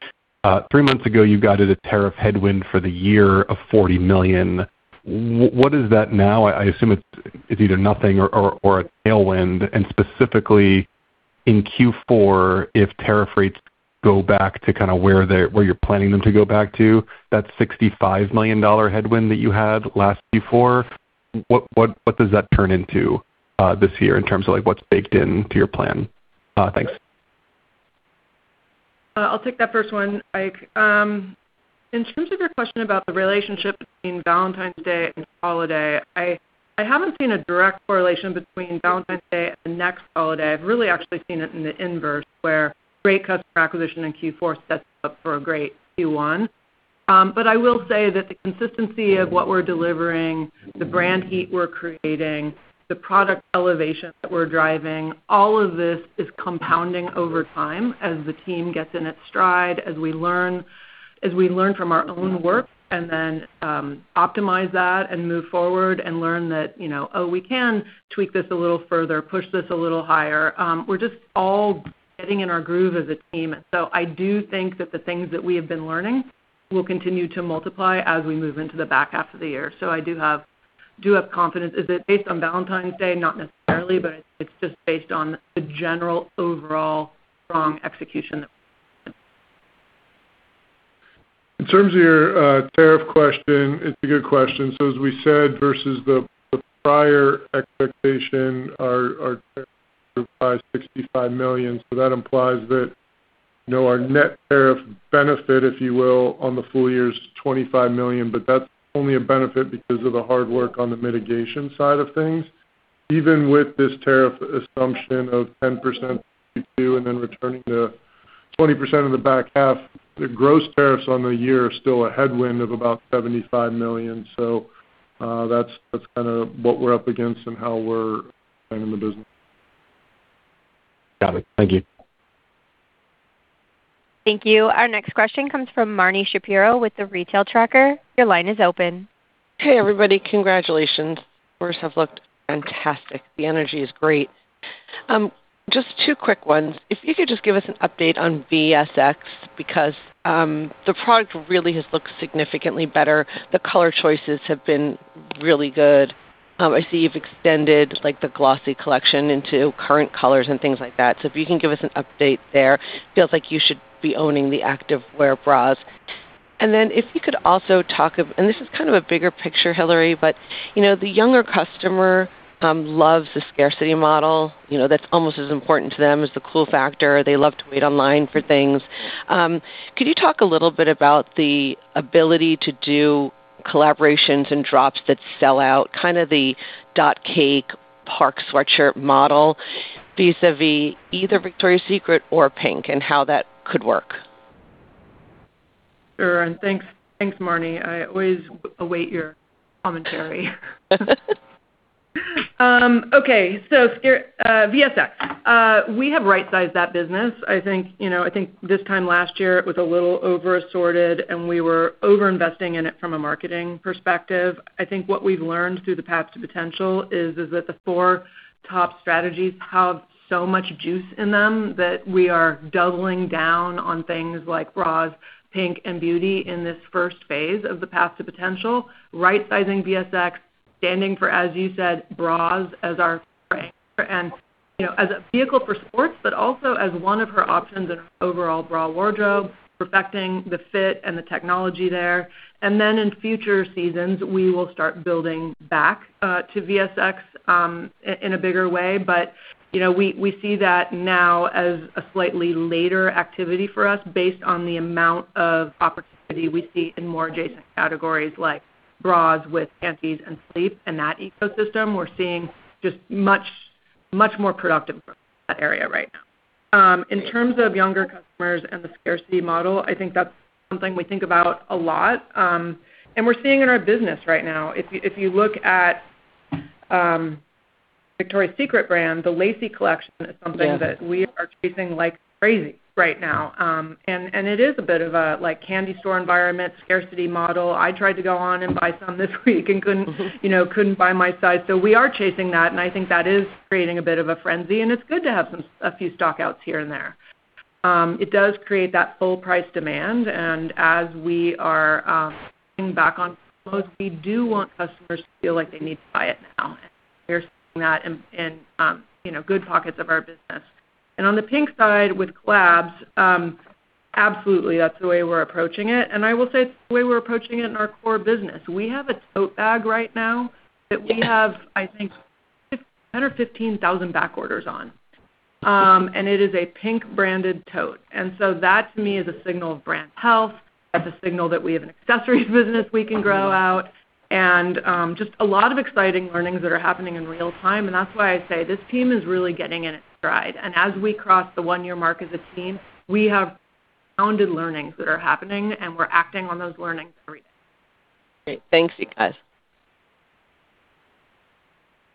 Three months ago, you guided a tariff headwind for the year of $40 million. What is that now? I assume it's either nothing or a tailwind. Specifically, in Q4, if tariff rates go back to where you're planning them to go back to, that $65 million headwind that you had last Q4, what does that turn into this year in terms of what's baked into your plan? Thanks. I'll take that first one, Ike. In terms of your question about the relationship between Valentine's Day and holiday, I haven't seen a direct correlation between Valentine's Day and the next holiday. I've really actually seen it in the inverse, where great customer acquisition in Q4 sets us up for a great Q1. I will say that the consistency of what we're delivering, the brand heat we're creating, the product elevation that we're driving, all of this is compounding over time as the team gets in its stride, as we learn from our own work and then optimize that and move forward and learn that, oh, we can tweak this a little further, push this a little higher. We're just all getting in our groove as a team. I do think that the things that we have been learning will continue to multiply as we move into the back half of the year. I do have confidence. Is it based on Valentine's Day? Not necessarily, but it's just based on the general overall strong execution that. In terms of your tariff question, it's a good question. As we said versus the prior expectation, our tariff is $65 million. That implies that our net tariff benefit, if you will, on the full year is $25 million, but that's only a benefit because of the hard work on the mitigation side of things. Even with this tariff assumption of 10% Q2 and then returning to 20% in the back half, the gross tariffs on the year are still a headwind of about $75 million. That's what we're up against and how we're the business. Got it. Thank you. Thank you. Our next question comes from Marni Shapiro with The Retail Tracker. Your line is open. Hey, everybody. Congratulations. Numbers have looked fantastic. The energy is great. Just two quick ones. If you could just give us an update on VSX, because the product really has looked significantly better. The color choices have been really good. I see you've extended like the glossy collection into current colors and things like that. If you can give us an update there. Feels like you should be owning the activewear bras. If you could also talk, and this is kind of a bigger picture, Hillary, but the younger customer loves the scarcity model. That's almost as important to them as the cool factor. They love to wait online for things. Could you talk a little bit about the ability to do collaborations and drops that sell out, kind of the Dotcake Park sweatshirt model vis-à-vis either Victoria's Secret or PINK and how that could work? Sure, thanks, Marni. I always await your commentary. Okay. VSX. We have right-sized that business. I think this time last year it was a little over assorted, and we were over-investing in it from a marketing perspective. I think what we've learned through the Path to Potential is that the four top strategies have so much juice in them that we are doubling down on things like bras, PINK, and Beauty in this first phase of the Path to Potential. Right-sizing VSX, standing for, as you said, bras as our frame, and as a vehicle for sports, but also as one of her options in her overall bra wardrobe, perfecting the fit and the technology there. In future seasons, we will start building back to VSX in a bigger way. We see that now as a slightly later activity for us based on the amount of opportunity we see in more adjacent categories like bras with panties and sleep and that ecosystem. We're seeing just much more productive growth in that area right now. In terms of younger customers and the scarcity model, I think that's something we think about a lot. We're seeing in our business right now. If you look at Victoria's Secret brand, The Lacie collection is something that we are chasing like crazy right now. It is a bit of a candy store environment scarcity model. I tried to go on and buy some this week and couldn't buy my size. We are chasing that, and I think that is creating a bit of a frenzy, and it's good to have a few stock-outs here and there. It does create that full price demand. As we are back on promos, we do want customers to feel like they need to buy it now. We are seeing that in good pockets of our business. On the PINK side with collabs, absolutely that's the way we're approaching it, and I will say it's the way we're approaching it in our core business. We have a tote bag right now that we have, I think, 10,000 or 15,000 back orders on. It is a PINK branded tote. That to me is a signal of brand health. That's a signal that we have an accessories business we can grow out. Just a lot of exciting learnings that are happening in real time, and that's why I say this team is really getting in its stride. As we cross the one-year mark as a team, we have founded learnings that are happening, and we're acting on those learnings every day. Great. Thank you, guys.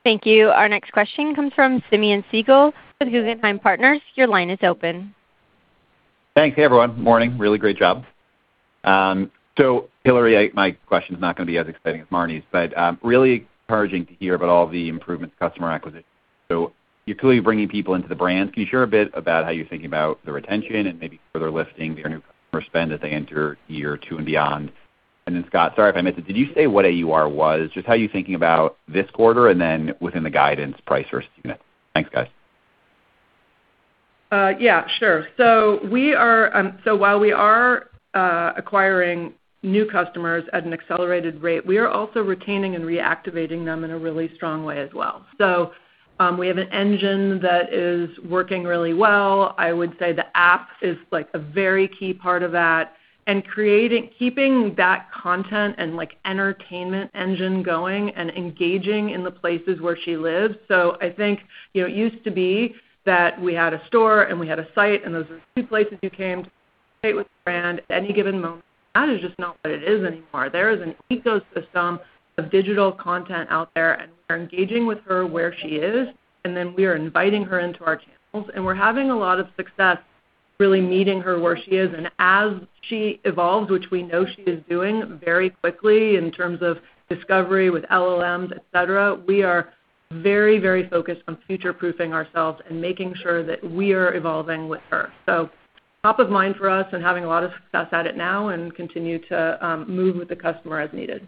Thank you. Our next question comes from Simeon Siegel with Guggenheim Partners. Your line is open. Thanks. Hey, everyone. Morning. Really great job. Hillary, my question is not going to be as exciting as Marni's, but really encouraging to hear about all the improvements in customer acquisition. You're clearly bringing people into the brands. Can you share a bit about how you're thinking about the retention and maybe further lifting their new customer spend as they enter year two and beyond? Scott, sorry if I missed it, did you say what AUR was? Just how you're thinking about this quarter, and then within the guidance price versus unit. Thanks, guys. Yeah, sure. While we are acquiring new customers at an accelerated rate, we are also retaining and reactivating them in a really strong way as well. We have an engine that is working really well. I would say the app is a very key part of that, and keeping that content and entertainment engine going and engaging in the places where she lives. I think it used to be that we had a store and we had a site, and those are the two places you came to with the brand at any given moment. That is just not what it is anymore. There is an ecosystem of digital content out there, and we are engaging with her where she is, and then we are inviting her into our channels. We're having a lot of success really meeting her where she is. As she evolves, which we know she is doing very quickly in terms of discovery with LLMs, et cetera, we are very focused on future-proofing ourselves and making sure that we are evolving with her. Top of mind for us and having a lot of success at it now and continue to move with the customer as needed.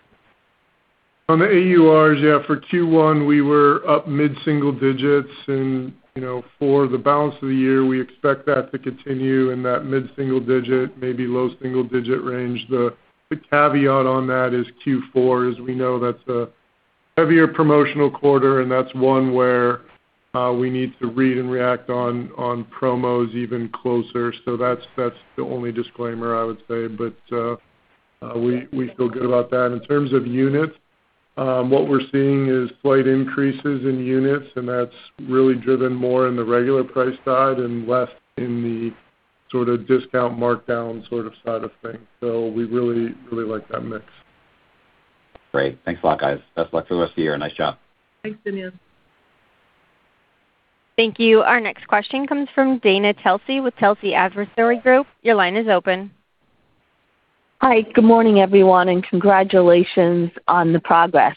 On the AURs, yeah, for Q1, we were up mid-single digits and for the balance of the year, we expect that to continue in that mid-single digit, maybe low single-digit range. The caveat on that is Q4. As we know, that's a heavier promotional quarter, and that's one where we need to read and react on promos even closer. That's the only disclaimer I would say. We feel good about that. In terms of units, what we're seeing is slight increases in units, and that's really driven more in the regular price side and less in the discount markdown side of things. We really like that mix. Great. Thanks a lot, guys. Best of luck for the rest of the year. Nice job. Thanks, Simeon. Thank you. Our next question comes from Dana Telsey with Telsey Advisory Group. Your line is open. Hi. Good morning, everyone, congratulations on the progress.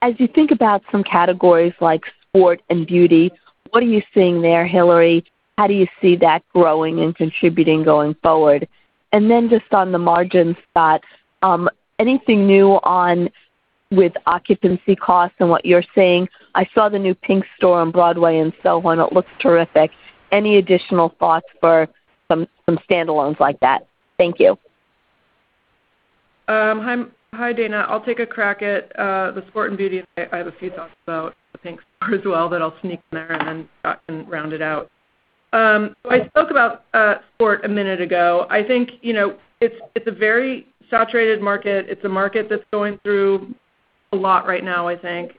As you think about some categories like sport and Beauty, what are you seeing there, Hillary? How do you see that growing and contributing going forward? Then just on the margin, Scott, anything new with occupancy costs and what you're seeing? I saw the new PINK store on Broadway in SoHo, and it looks terrific. Any additional thoughts for some standalones like that? Thank you. Hi, Dana. I'll take a crack at the sport and Beauty, and I have a few thoughts about the PINK store as well that I'll sneak in there, and then Scott can round it out. I spoke about sport a minute ago. I think it's a very saturated market. It's a market that's going through a lot right now, I think.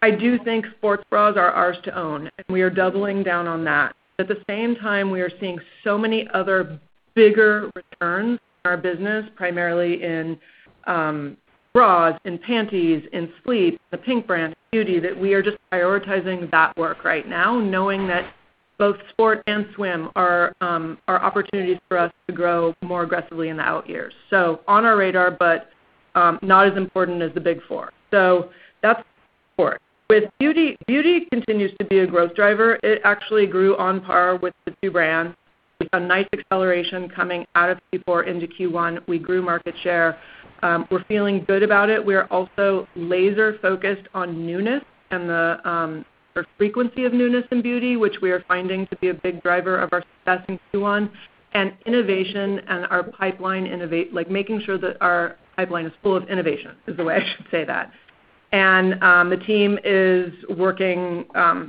I do think sports bras are ours to own, and we are doubling down on that. At the same time, we are seeing so many other bigger returns in our business, primarily in bras, in panties, in sleep, the PINK brand, Beauty, that we are just prioritizing that work right now, knowing that both sport and swim are opportunities for us to grow more aggressively in the out years. On our radar, but not as important as the big four. That's sport. With beauty continues to be a growth driver. It actually grew on par with the two brands. We saw nice acceleration coming out of Q4 into Q1. We grew market share. We're feeling good about it. We are also laser focused on newness and the frequency of newness in Beauty, which we are finding to be a big driver of our success in Q1. Innovation and our pipeline making sure that our pipeline is full of innovation is the way I should say that. The team is working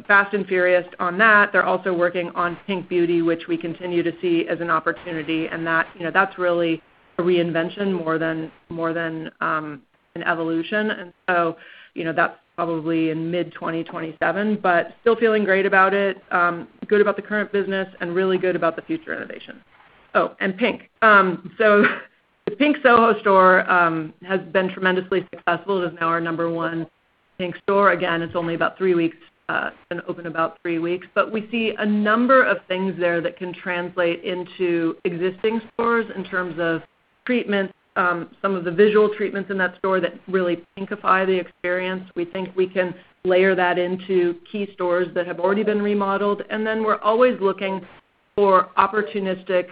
fast and furious on that. They're also working on PINK Beauty, which we continue to see as an opportunity, that's really a reinvention more than an evolution. That's probably in mid-2027, still feeling great about it, good about the current business really good about the future innovation. PINK. The PINK SoHo store has been tremendously successful. It is now our number 1 PINK store. Again, it's only been open about three weeks. We see a number of things there that can translate into existing stores in terms of treatments, some of the visual treatments in that store that really pinkify the experience. We think we can layer that into key stores that have already been remodeled. We're always looking for opportunistic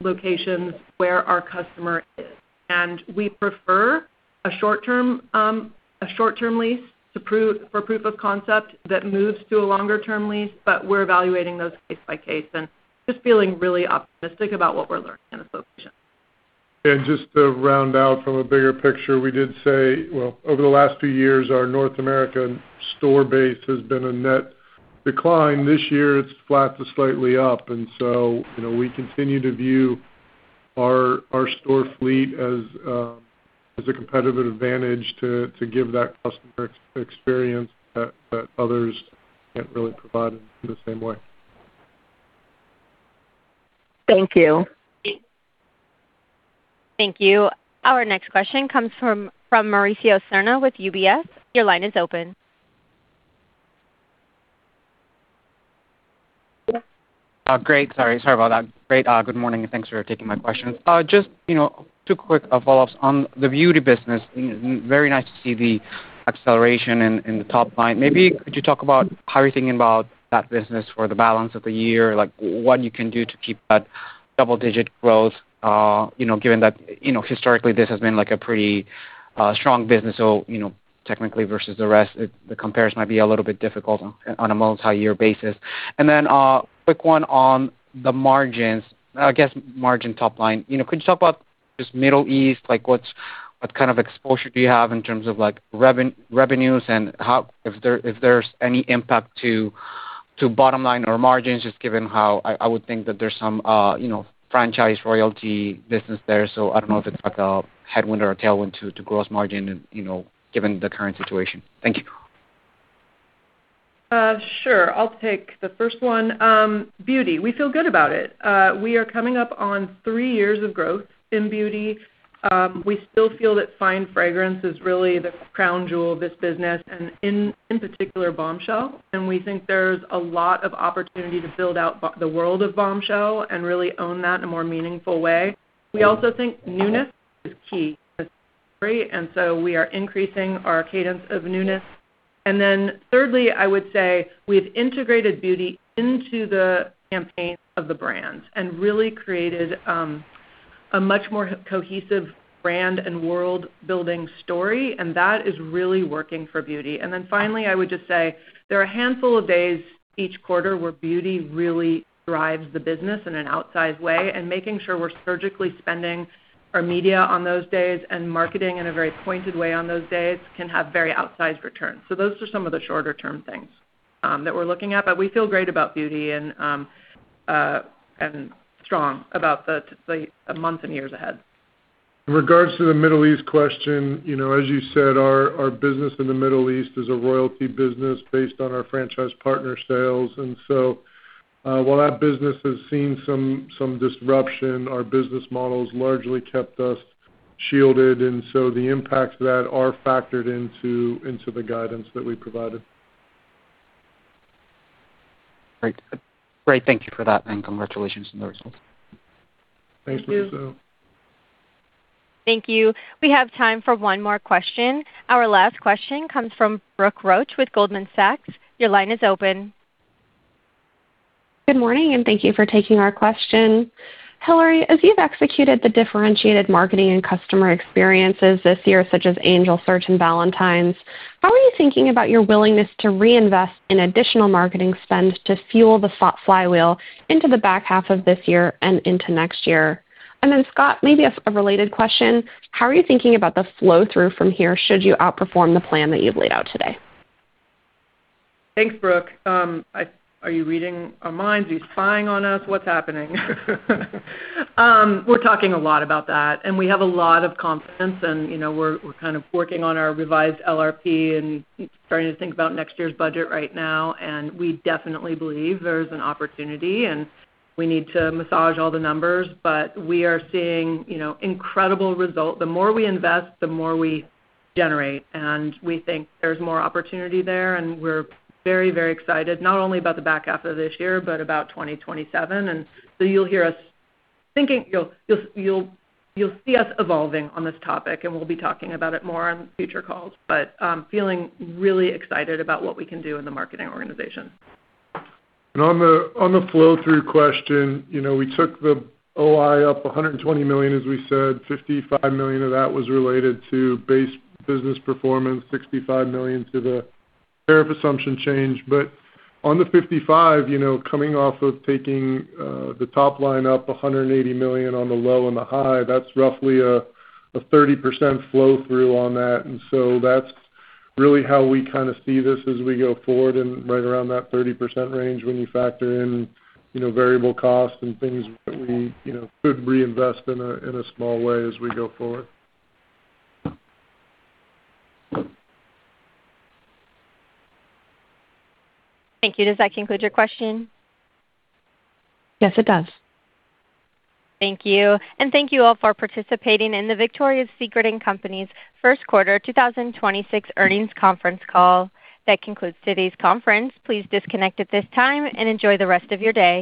locations where our customer is. We prefer a short-term lease for proof of concept that moves to a longer-term lease, we're evaluating those case by case and just feeling really optimistic about what we're learning in this location. Just to round out from a bigger picture, we did say, well, over the last few years, our North American store base has been a net decline. This year it's flat to slightly up. We continue to view our store fleet as a competitive advantage to give that customer experience that others can't really provide in the same way. Thank you. Thank you. Our next question comes from Mauricio Serna with UBS. Your line is open. Great. Sorry about that. Great. Good morning, and thanks for taking my question. Just two quick follow-ups. On the Beauty business, very nice to see the acceleration in the top line. Maybe could you talk about how you're thinking about that business for the balance of the year? Like what you can do to keep that double-digit growth, given that historically this has been like a pretty strong business, so technically versus the rest, the comparison might be a little bit difficult on a multi-year basis. A quick one on the margins. I guess margin top line. Could you talk about just Middle East, like what kind of exposure do you have in terms of revenues and if there's any impact to bottom line or margins, just given how I would think that there's some franchise royalty business there. I don't know if it's like a headwind or a tailwind to gross margin, given the current situation. Thank you. Sure. I'll take the first one. Beauty, we feel good about it. We are coming up on three years of growth in beauty. We still feel that fine fragrance is really the crown jewel of this business, and in particular Bombshell. We think there's a lot of opportunity to build out the world of Bombshell and really own that in a more meaningful way. We also think newness is key. We are increasing our cadence of newness. Thirdly, I would say we've integrated beauty into the campaign of the brand and really created a much more cohesive brand and world-building story, and that is really working for beauty. Finally, I would just say there are a handful of days each quarter where Beauty really drives the business in an outsized way, and making sure we're surgically spending our media on those days and marketing in a very pointed way on those days can have very outsized returns. Those are some of the shorter-term things that we're looking at. We feel great about Beauty and strong about the months and years ahead. In regards to the Middle East question, as you said, our business in the Middle East is a royalty business based on our franchise partner sales. While that business has seen some disruption, our business models largely kept us shielded, and so the impacts of that are factored into the guidance that we provided. Great. Thank you for that, and congratulations on the results. Thanks, Mauricio. Thank you. Thank you. We have time for one more question. Our last question comes from Brooke Roach with Goldman Sachs. Your line is open. Good morning, and thank you for taking our question. Hillary, as you've executed the differentiated marketing and customer experiences this year, such as Angel Search and Valentine's, how are you thinking about your willingness to reinvest in additional marketing spend to fuel the flywheel into the back half of this year and into next year? Then Scott, maybe a related question. How are you thinking about the flow-through from here should you outperform the plan that you've laid out today? Thanks, Brooke. Are you reading our minds? Are you spying on us? What's happening? We're talking a lot about that, and we have a lot of confidence, and we're kind of working on our revised LRP and starting to think about next year's budget right now, and we definitely believe there's an opportunity, and we need to massage all the numbers. We are seeing incredible results. The more we invest, the more we generate, and we think there's more opportunity there, and we're very excited, not only about the back half of this year, but about 2027. You'll see us evolving on this topic, and we'll be talking about it more on future calls, but feeling really excited about what we can do in the marketing organization. On the flow-through question, we took the OI up $120 million, as we said, $55 million of that was related to base business performance, $65 million to the tariff assumption change. On the $55, coming off of taking the top line up $180 million on the low and the high. That's roughly a 30% flow-through on that. That's really how we kind of see this as we go forward and right around that 30% range when you factor in variable costs and things that we could reinvest in a small way as we go forward. Thank you. Does that conclude your question? Yes, it does. Thank you. Thank you all for participating in the Victoria's Secret & Co.'s first quarter 2026 earnings conference call. That concludes today's conference. Please disconnect at this time and enjoy the rest of your day.